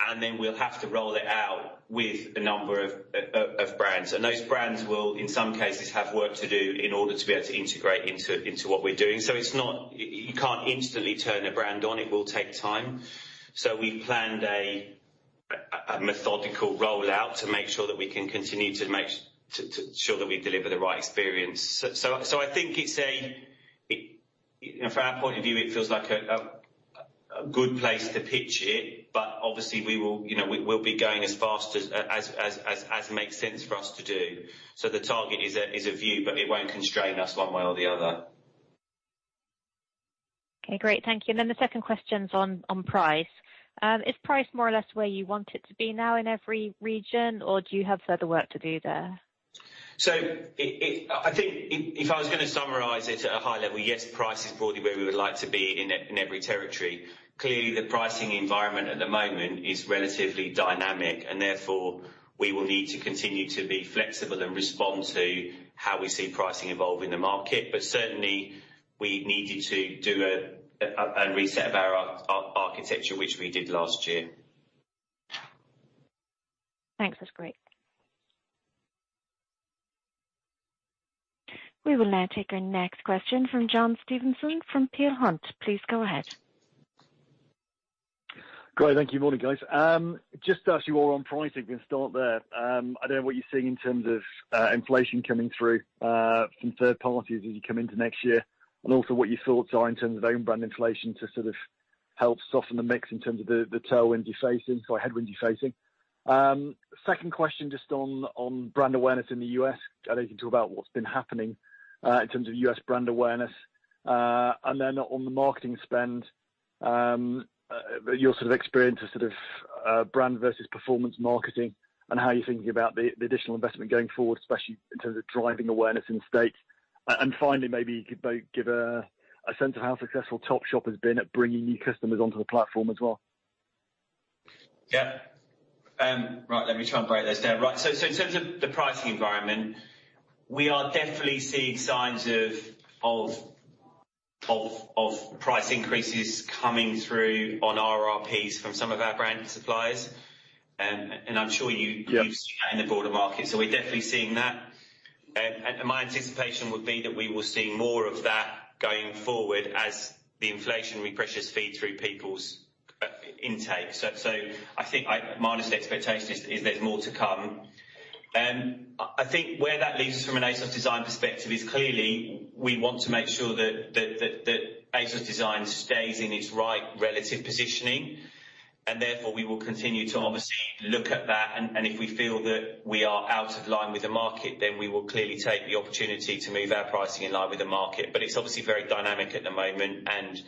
and then we'll have to roll it out with a number of brands. Those brands will, in some cases, have work to do in order to be able to integrate into what we're doing. You can't instantly turn a brand on. It will take time. We've planned a methodical rollout to make sure that we can continue to make sure that we deliver the right experience. I think it's from our point of view, it feels like a good place to pitch it. Obviously, we will be going as fast as makes sense for us to do. The target is a view, but it won't constrain us one way or the other. Okay, great. Thank you. Then the second question's on price. Is price more or less where you want it to be now in every region, or do you have further work to do there? I think if I was going to summarize it at a high level, yes, price is broadly where we would like to be in every territory. Clearly, the pricing environment at the moment is relatively dynamic, therefore, we will need to continue to be flexible and respond to how we see pricing evolve in the market. Certainly, we needed to do a reset of our architecture, which we did last year. Thanks. That's great. We will now take our next question from John Stevenson from Peel Hunt. Please go ahead. Great. Thank you. Morning, guys. Just to ask you all on pricing, we can start there. I don't know what you're seeing in terms of inflation coming through from third parties as you come into next year, also what your thoughts are in terms of own brand inflation to sort of help soften the mix in terms of the tailwinds you're facing, sorry, headwinds you're facing. Second question just on brand awareness in the U.S. I don't know if you can talk about what's been happening, in terms of U.S. brand awareness. Then on the marketing spend, your experience of brand versus performance marketing and how you're thinking about the additional investment going forward, especially in terms of driving awareness in the States. Finally, maybe you could give a sense of how successful Topshop has been at bringing new customers onto the platform as well. Yeah. Right, let me try and break those down. In terms of the pricing environment, we are definitely seeing signs of price increases coming through on RRPs from some of our brand suppliers. You've seen that in the broader market. We're definitely seeing that. My anticipation would be that we will see more of that going forward as the inflationary pressures feed through people's intake. I think my honest expectation is there's more to come. I think where that leaves us from an ASOS DESIGN perspective is clearly we want to make sure that ASOS DESIGN stays in its right relative positioning. Therefore, we will continue to obviously look at that, and if we feel that we are out of line with the market, then we will clearly take the opportunity to move our pricing in line with the market. It's obviously very dynamic at the moment and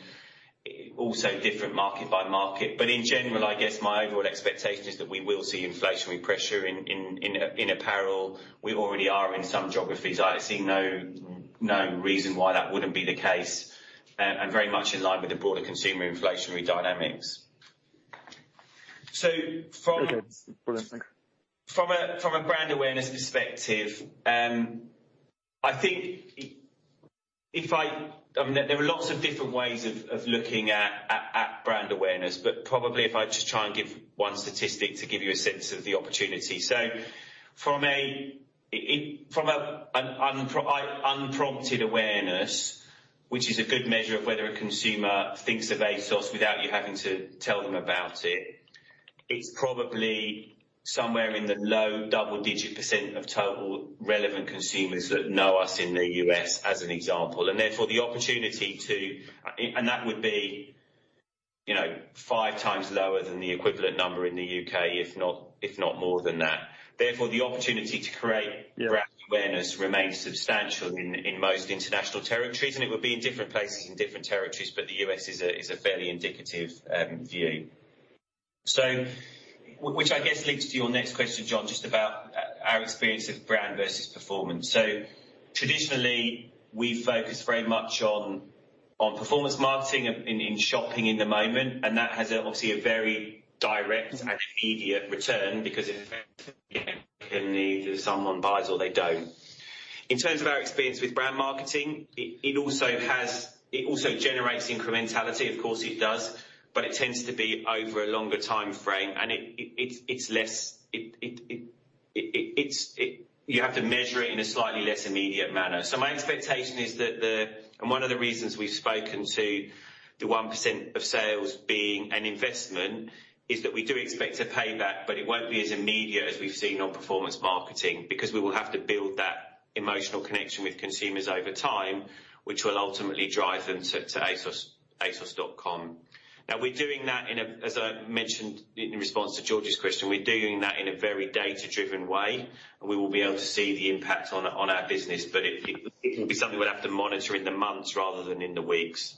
also different market by market. In general, I guess my overall expectation is that we will see inflationary pressure in apparel. We already are in some geographies. I see no reason why that wouldn't be the case, and very much in line with the broader consumer inflationary dynamics. Okay. Brilliant. Thank you. from a brand awareness perspective, I think, there are lots of different ways of looking at brand awareness, but probably if I just try and give one statistic to give you a sense of the opportunity. From an unprompted awareness, which is a good measure of whether a consumer thinks of ASOS without you having to tell them about it's probably somewhere in the low double-digit % of total relevant consumers that know us in the U.S., as an example. That would be, five times lower than the equivalent number in the U.K., if not more than that. Therefore, the opportunity to create brand awareness remains substantial in most international territories, and it would be in different places in different territories, but the U.S. is a fairly indicative view. Which I guess leads to your next question, John, just about our experience of brand versus performance. Traditionally, we focus very much on performance marketing in shopping in the moment, and that has obviously a very direct and immediate return because either someone buys or they don't. In terms of our experience with brand marketing, it also generates incrementality, of course it does, but it tends to be over a longer timeframe, and you have to measure it in a slightly less immediate manner. My expectation is that one of the reasons we've spoken to the 1% of sales being an investment is that we do expect a payback, but it won't be as immediate as we've seen on performance marketing. We will have to build that emotional connection with consumers over time, which will ultimately drive them to asos.com. We're doing that, as I mentioned in response to George's question, in a very data-driven way, and we will be able to see the impact on our business. It will be something we'll have to monitor in the months rather than in the weeks.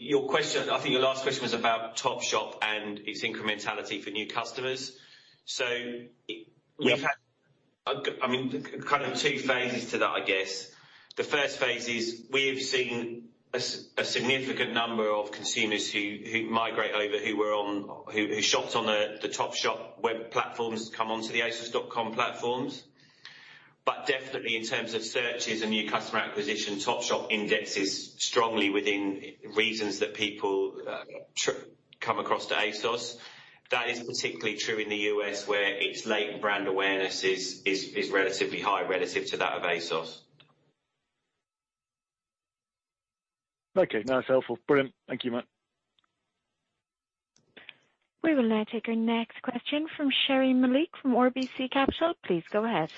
Your question, I think your last question was about Topshop and its incrementality for new customers. We've had, kind of two phases to that, I guess. The first phase is we've seen a significant number of consumers who migrate over, who shopped on the Topshop web platforms, come onto the asos.com platforms. Definitely in terms of searches and new customer acquisition, Topshop indexes strongly within reasons that people come across to ASOS. That is particularly true in the U.S., where its latent brand awareness is relatively high relative to that of ASOS. Okay. No, that's helpful. Brilliant. Thank you, Mat. We will now take our next question from Sherri Malek from RBC Capital. Please go ahead.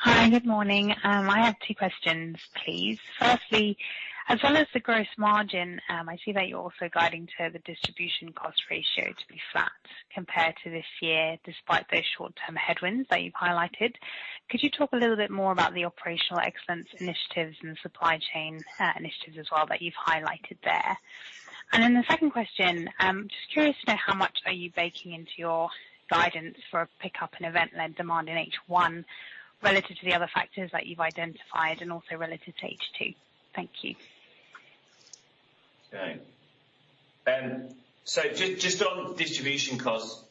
Hi, good morning. I have two questions, please. Firstly, as well as the gross margin, I see that you're also guiding to the distribution cost ratio to be flat compared to this year, despite those short-term headwinds that you've highlighted. Could you talk a little bit more about the operational excellence initiatives and supply chain initiatives as well that you've highlighted there? The second question, just curious to know how much are you baking into your guidance for a pickup in event-led demand in H1 relative to the other factors that you've identified and also relative to H2. Thank you. Just on distribution costs,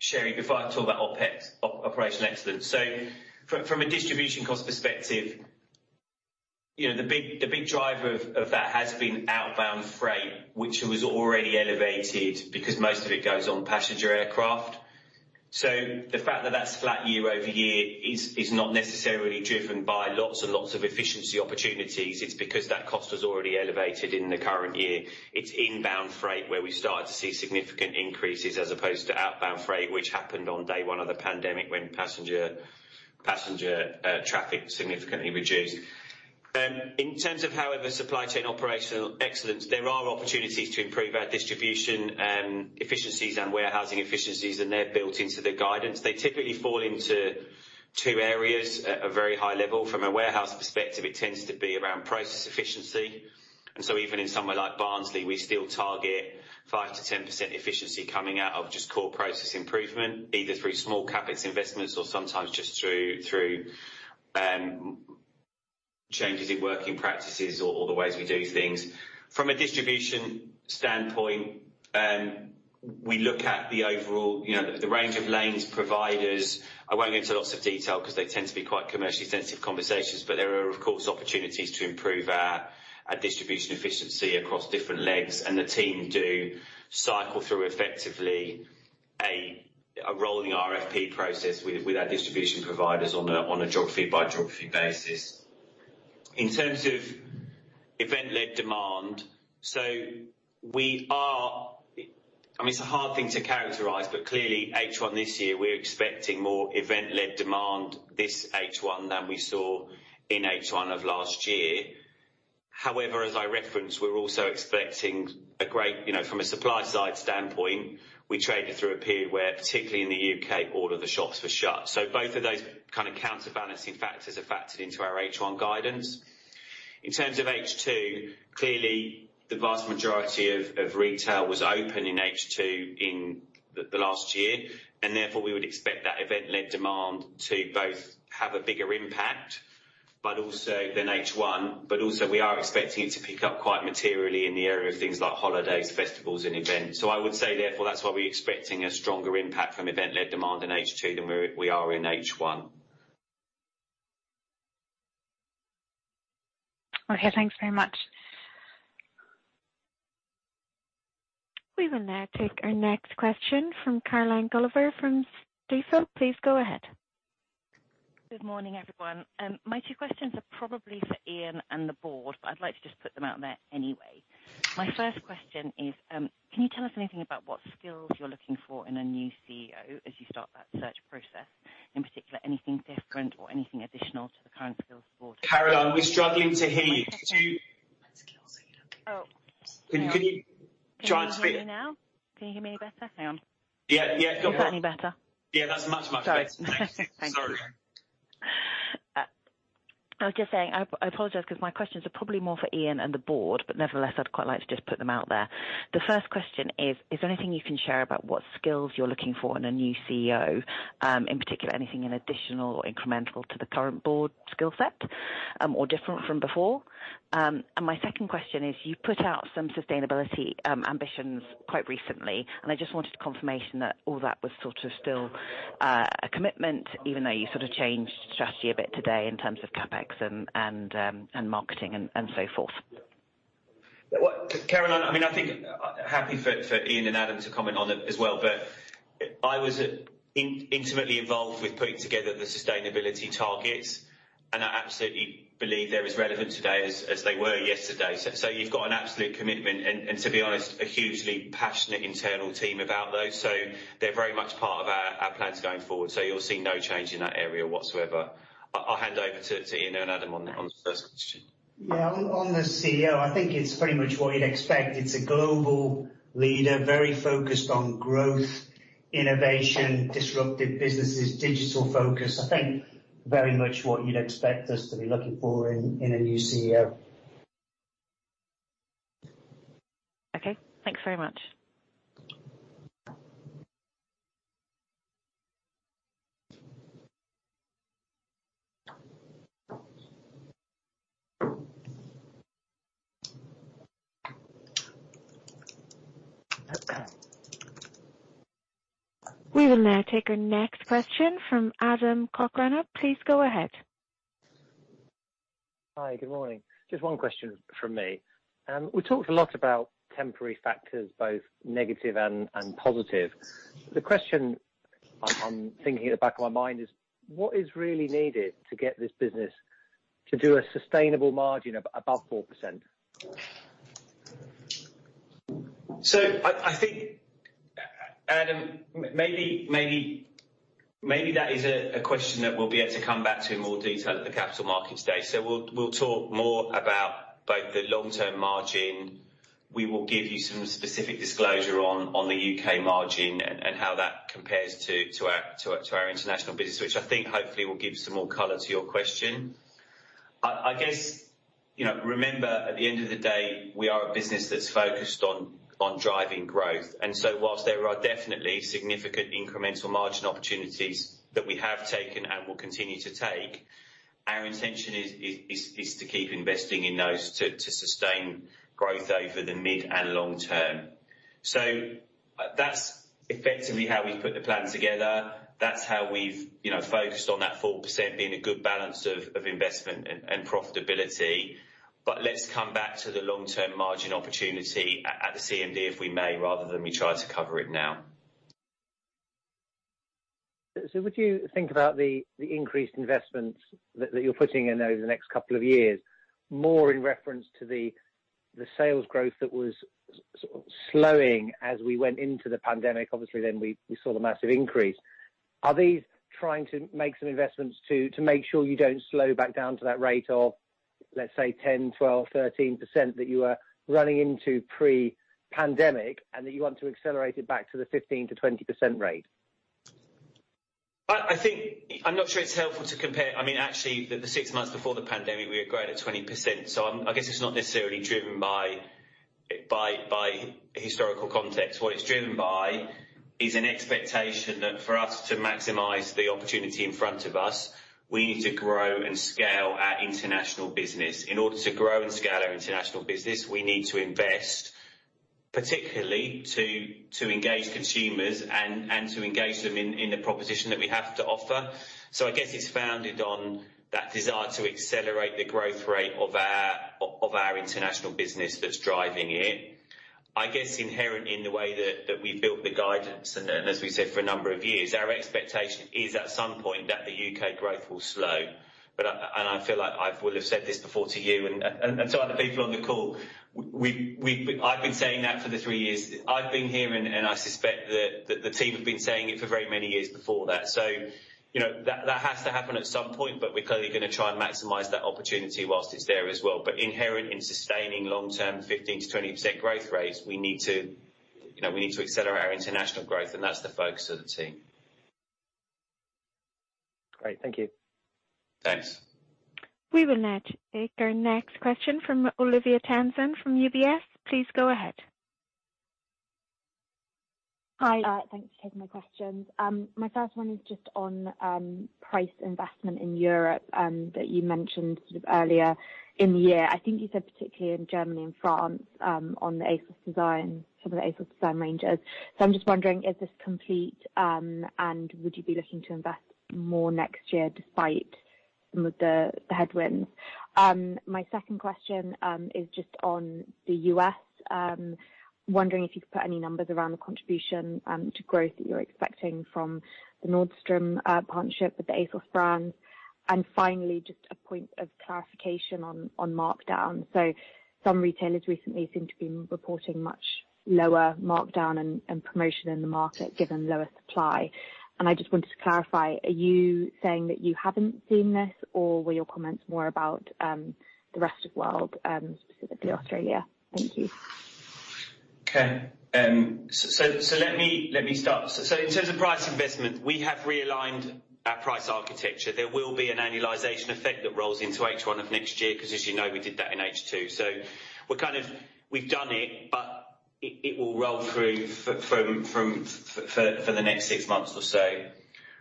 Sherri, before I talk about OpEx, operational excellence. From a distribution cost perspective, the big driver of that has been outbound freight, which was already elevated because most of it goes on passenger aircraft. The fact that that's flat year-over-year is not necessarily driven by lots and lots of efficiency opportunities. It's because that cost was already elevated in the current year. It's inbound freight where we started to see significant increases as opposed to outbound freight, which happened on day one of the pandemic when passenger traffic significantly reduced. In terms of, however, supply chain operational excellence, there are opportunities to improve our distribution efficiencies and warehousing efficiencies, and they're built into the guidance. They typically fall into two areas at a very high level. From a warehouse perspective, it tends to be around process efficiency. Even in somewhere like Barnsley, we still target 5%-10% efficiency coming out of just core process improvement, either through small CapEx investments or sometimes just through changes in working practices or the ways we do things. From a distribution standpoint, we look at the overall range of lanes providers. I won't go into lots of detail because they tend to be quite commercially sensitive conversations, but there are, of course, opportunities to improve our distribution efficiency across different legs. The team do cycle through effectively a rolling RFP process with our distribution providers on a geography by geography basis. In terms of event-led demand, it's a hard thing to characterize, but clearly H1 this year, we're expecting more event-led demand this H1 than we saw in H1 of last year. As I referenced, we're also expecting from a supply side standpoint, we traded through a period where, particularly in the U.K., all of the shops were shut. Both of those kind of counterbalancing factors are factored into our H1 guidance. In terms of H2, clearly the vast majority of retail was open in H2 in the last year, therefore we would expect that event-led demand to both have a bigger impact than H1, but also we are expecting it to pick up quite materially in the area of things like holidays, festivals and events. I would say therefore, that's why we're expecting a stronger impact from event-led demand in H2 than we are in H1. Okay, thanks very much. We will now take our next question from Caroline Gulliver from Stifel. Please go ahead. Good morning, everyone. My two questions are probably for Ian and the Board, but I'd like to just put them out there anyway. My first question is, can you tell us anything about what skills you're looking for in a new CEO as you start that search process? In particular, anything different or anything additional to the current skill support? Caroline, we're struggling to hear you. Can you try and speak? Can you hear me now? Can you hear me any better? Hang on. Yeah. Is that any better? Yeah, that's much, much better. Sorry. Sorry. I was just saying, I apologize because my questions are probably more for Ian and the board, but nevertheless, I'd quite like to just put them out there. The first question is there anything you can share about what skills you're looking for in a new CEO? In particular, anything additional or incremental to the current board skill set or different from before? My second question is, you put out some sustainability ambitions quite recently, and I just wanted confirmation that all that was sort of still a commitment, even though you sort of changed strategy a bit today in terms of CapEx and marketing and so forth. Caroline, I think happy for Ian and Adam to comment on it as well, but I was intimately involved with putting together the sustainability targets, and I absolutely believe they're as relevant today as they were yesterday. You've got an absolute commitment and, to be honest, a hugely passionate internal team about those. They're very much part of our plans going forward. You'll see no change in that area whatsoever. I'll hand over to Ian and Adam on the first question. Yeah. On the CEO, I think it's very much what you'd expect. It's a global leader, very focused on growth, innovation, disruptive businesses, digital focus. I think very much what you'd expect us to be looking for in a new CEO. Okay. Thanks very much. We will now take our next question from Adam Cochrane. Please go ahead. Hi. Good morning. Just one question from me. We talked a lot about temporary factors, both negative and positive. The question I'm thinking at the back of my mind is what is really needed to get this business to do a sustainable margin above 4%? I think, Adam, maybe that is a question that we'll be able to come back to in more detail at the Capital Markets Day. We'll talk more about both the long-term margin. We will give you some specific disclosure on the U.K. margin and how that compares to our international business, which I think hopefully will give some more color to your question. I guess, remember, at the end of the day, we are a business that's focused on driving growth, and so whilst there are definitely significant incremental margin opportunities that we have taken and will continue to take, our intention is to keep investing in those to sustain growth over the mid and long term. That's effectively how we put the plan together. That's how we've focused on that 4% being a good balance of investment and profitability. Let's come back to the long-term margin opportunity at the CMD, if we may, rather than we try to cover it now. Would you think about the increased investments that you're putting in over the next couple of years, more in reference to the sales growth that was slowing as we went into the pandemic? Obviously, then we saw the massive increase. Are these trying to make some investments to make sure you don't slow back down to that rate of, let's say, 10%, 12%, 13% that you were running into pre-pandemic, and that you want to accelerate it back to the 15%-20% rate? I'm not sure it's helpful to compare. Actually, the six months before the pandemic, we were growing at 20%. I guess it's not necessarily driven by historical context. What it's driven by is an expectation that for us to maximize the opportunity in front of us, we need to grow and scale our international business. In order to grow and scale our international business, we need to invest, particularly to engage consumers and to engage them in the proposition that we have to offer. I guess it's founded on that desire to accelerate the growth rate of our international business that's driving it. I guess inherent in the way that we've built the guidance, and as we said, for a number of years, our expectation is at some point that the U.K. growth will slow. I feel like I would've said this before to you and to other people on the call, I've been saying that for the three years I've been here, and I suspect that the team have been saying it for very many years before that. That has to happen at some point, but we're clearly going to try and maximize that opportunity while it's there as well. Inherent in sustaining long-term 15%-20% growth rates, we need to accelerate our international growth, and that's the focus of the team. Great, thank you. Thanks. We will now take our next question from Olivia Townsend from UBS. Please go ahead. Hi. Thanks for taking my questions. My first one is just on price investment in Europe, that you mentioned earlier in the year. I think you said particularly in Germany and France, on some of the ASOS DESIGN ranges. I'm just wondering, is this complete, and would you be looking to invest more next year despite some of the headwinds? My second question is just on the U.S. I'm wondering if you could put any numbers around the contribution to growth that you're expecting from the Nordstrom partnership with the ASOS brand. Finally, just a point of clarification on markdown. Some retailers recently seem to be reporting much lower markdown and promotion in the market given lower supply. I just wanted to clarify, are you saying that you haven't seen this, or were your comments more about the rest of world, specifically Australia? Thank you. Okay. Let me start. In terms of price investment, we have realigned our price architecture. There will be an annualization effect that rolls into H1 of next year because, as you know, we did that in H2. We've done it, but it will roll through for the next six months or so.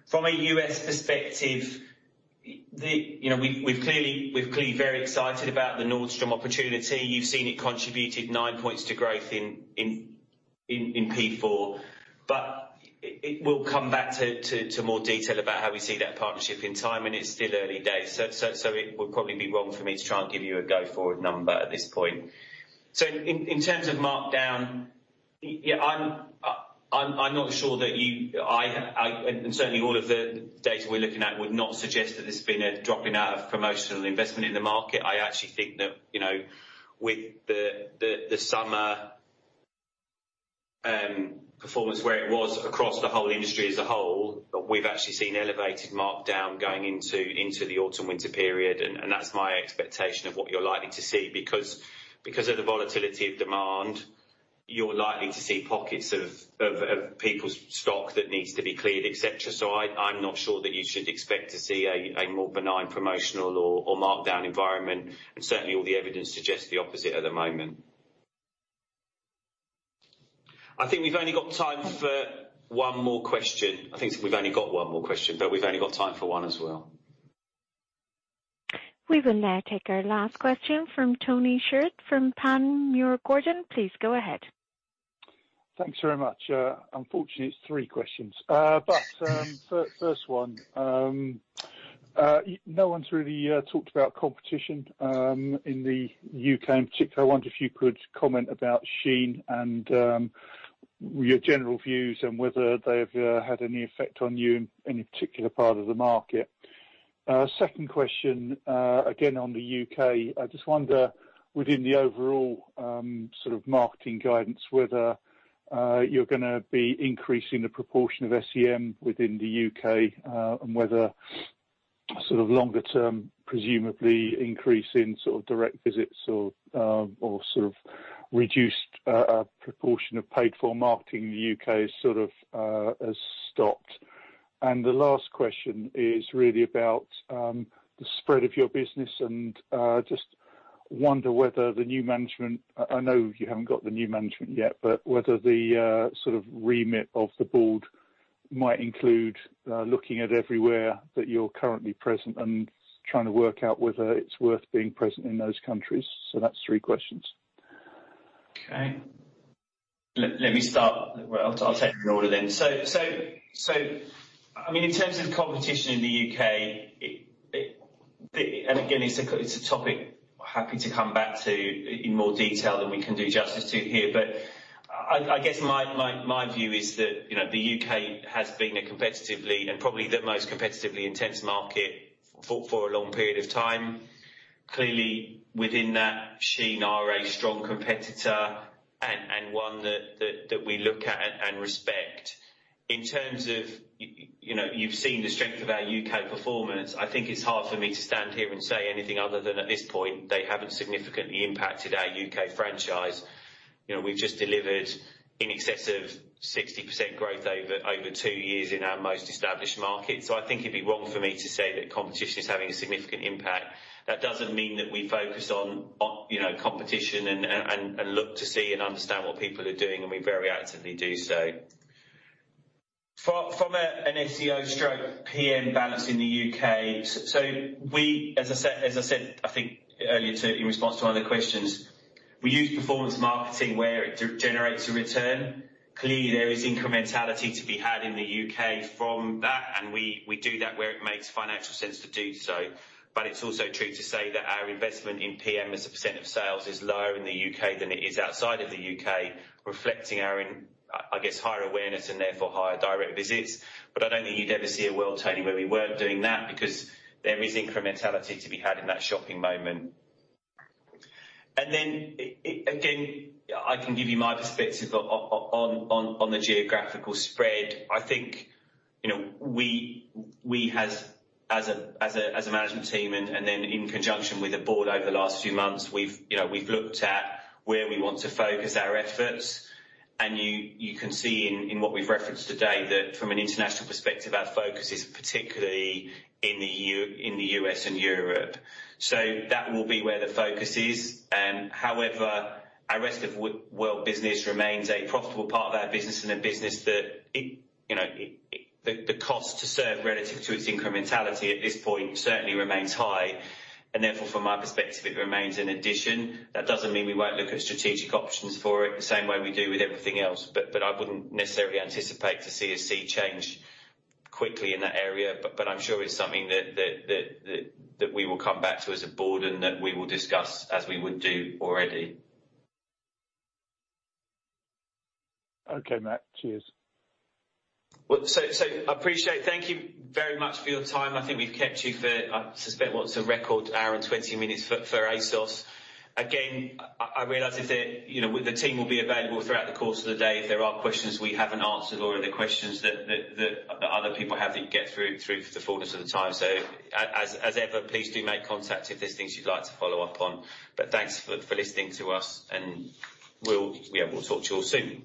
From a U.S. perspective, we're clearly very excited about the Nordstrom opportunity. You've seen it contributed 9 points to growth in P4. It will come back to more detail about how we see that partnership in time, and it's still early days. It would probably be wrong for me to try and give you a go forward number at this point. In terms of markdown, I'm not sure that and certainly all of the data we're looking at would not suggest that there's been a dropping out of promotional investment in the market. I actually think that with the summer performance where it was across the whole industry as a whole, we've actually seen elevated markdown going into the autumn winter period, and that's my expectation of what you're likely to see. Because of the volatility of demand, you're likely to see pockets of people's stock that needs to be cleared, et cetera. I'm not sure that you should expect to see a more benign promotional or markdown environment, and certainly all the evidence suggests the opposite at the moment. I think we've only got time for one more question. I think we've only got one more question, but we've only got time for one as well. We will now take our last question from Tony Shiret from Panmure Gordon. Please go ahead. Thanks very much. Unfortunately, it's three questions. First one, no one's really talked about competition, in the U.K. in particular. I wonder if you could comment about Shein and your general views and whether they've had any effect on you in any particular part of the market. Second question, again, on the U.K., I just wonder, within the overall sort of marketing guidance, whether you're going to be increasing the proportion of SEM within the U.K., and whether sort of longer term, presumably increase in sort of direct visits or sort of reduced proportion of paid for marketing in the U.K. sort of has stopped. The last question is really about the spread of your business and just wonder whether the new management, I know you haven't got the new management yet, but whether the sort of remit of the board might include looking at everywhere that you're currently present and trying to work out whether it's worth being present in those countries. That's three questions. Okay. Let me start. I'll take them in order. In terms of competition in the U.K., again, it's a topic I'm happy to come back to in more detail than we can do justice to here. I guess my view is that, the U.K. has been a competitively, and probably the most competitively intense market for a long period of time. Clearly, within that, Shein are a strong competitor, and one that we look at and respect. In terms of, you've seen the strength of our U.K. performance. I think it's hard for me to stand here and say anything other than at this point, they haven't significantly impacted our U.K. franchise. We've just delivered in excess of 60% growth over two years in our most established market. I think it'd be wrong for me to say that competition is having a significant impact. That doesn't mean that we focus on competition and look to see and understand what people are doing, and we very actively do so. From an SEO stroke PM balance in the U.K., we, as I said, I think earlier, too, in response to one of the questions, we use performance marketing where it generates a return. Clearly, there is incrementality to be had in the U.K. from that, and we do that where it makes financial sense to do so. It's also true to say that our investment in PM as a percent of sales is lower in the U.K. than it is outside of the U.K., reflecting our, I guess, higher awareness and therefore higher direct visits. I don't think you'd ever see a world, Tony, where we weren't doing that because there is incrementality to be had in that shopping moment. Again, I can give you my perspective on the geographical spread. I think we as a management team in conjunction with the board over the last few months, we've looked at where we want to focus our efforts. You can see in what we've referenced today that from an international perspective, our focus is particularly in the U.S. and Europe. That will be where the focus is. However, our rest of world business remains a profitable part of our business and a business that the cost to serve relative to its incrementality at this point certainly remains high. From my perspective, it remains an addition. That doesn't mean we won't look at strategic options for it the same way we do with everything else. I wouldn't necessarily anticipate to see a sea change quickly in that area. I'm sure it's something that we will come back to as a board and that we will discuss as we would do already. Okay, Mat. Cheers. I appreciate it. Thank you very much for your time. I think we've kept you for, I suspect what's a record hour and 20 minutes for ASOS. I realize the team will be available throughout the course of the day if there are questions we haven't answered or any questions that other people have that didn't get through for the fullness of the time. As ever, please do make contact if there's things you'd like to follow up on. Thanks for listening to us and we'll talk to you all soon.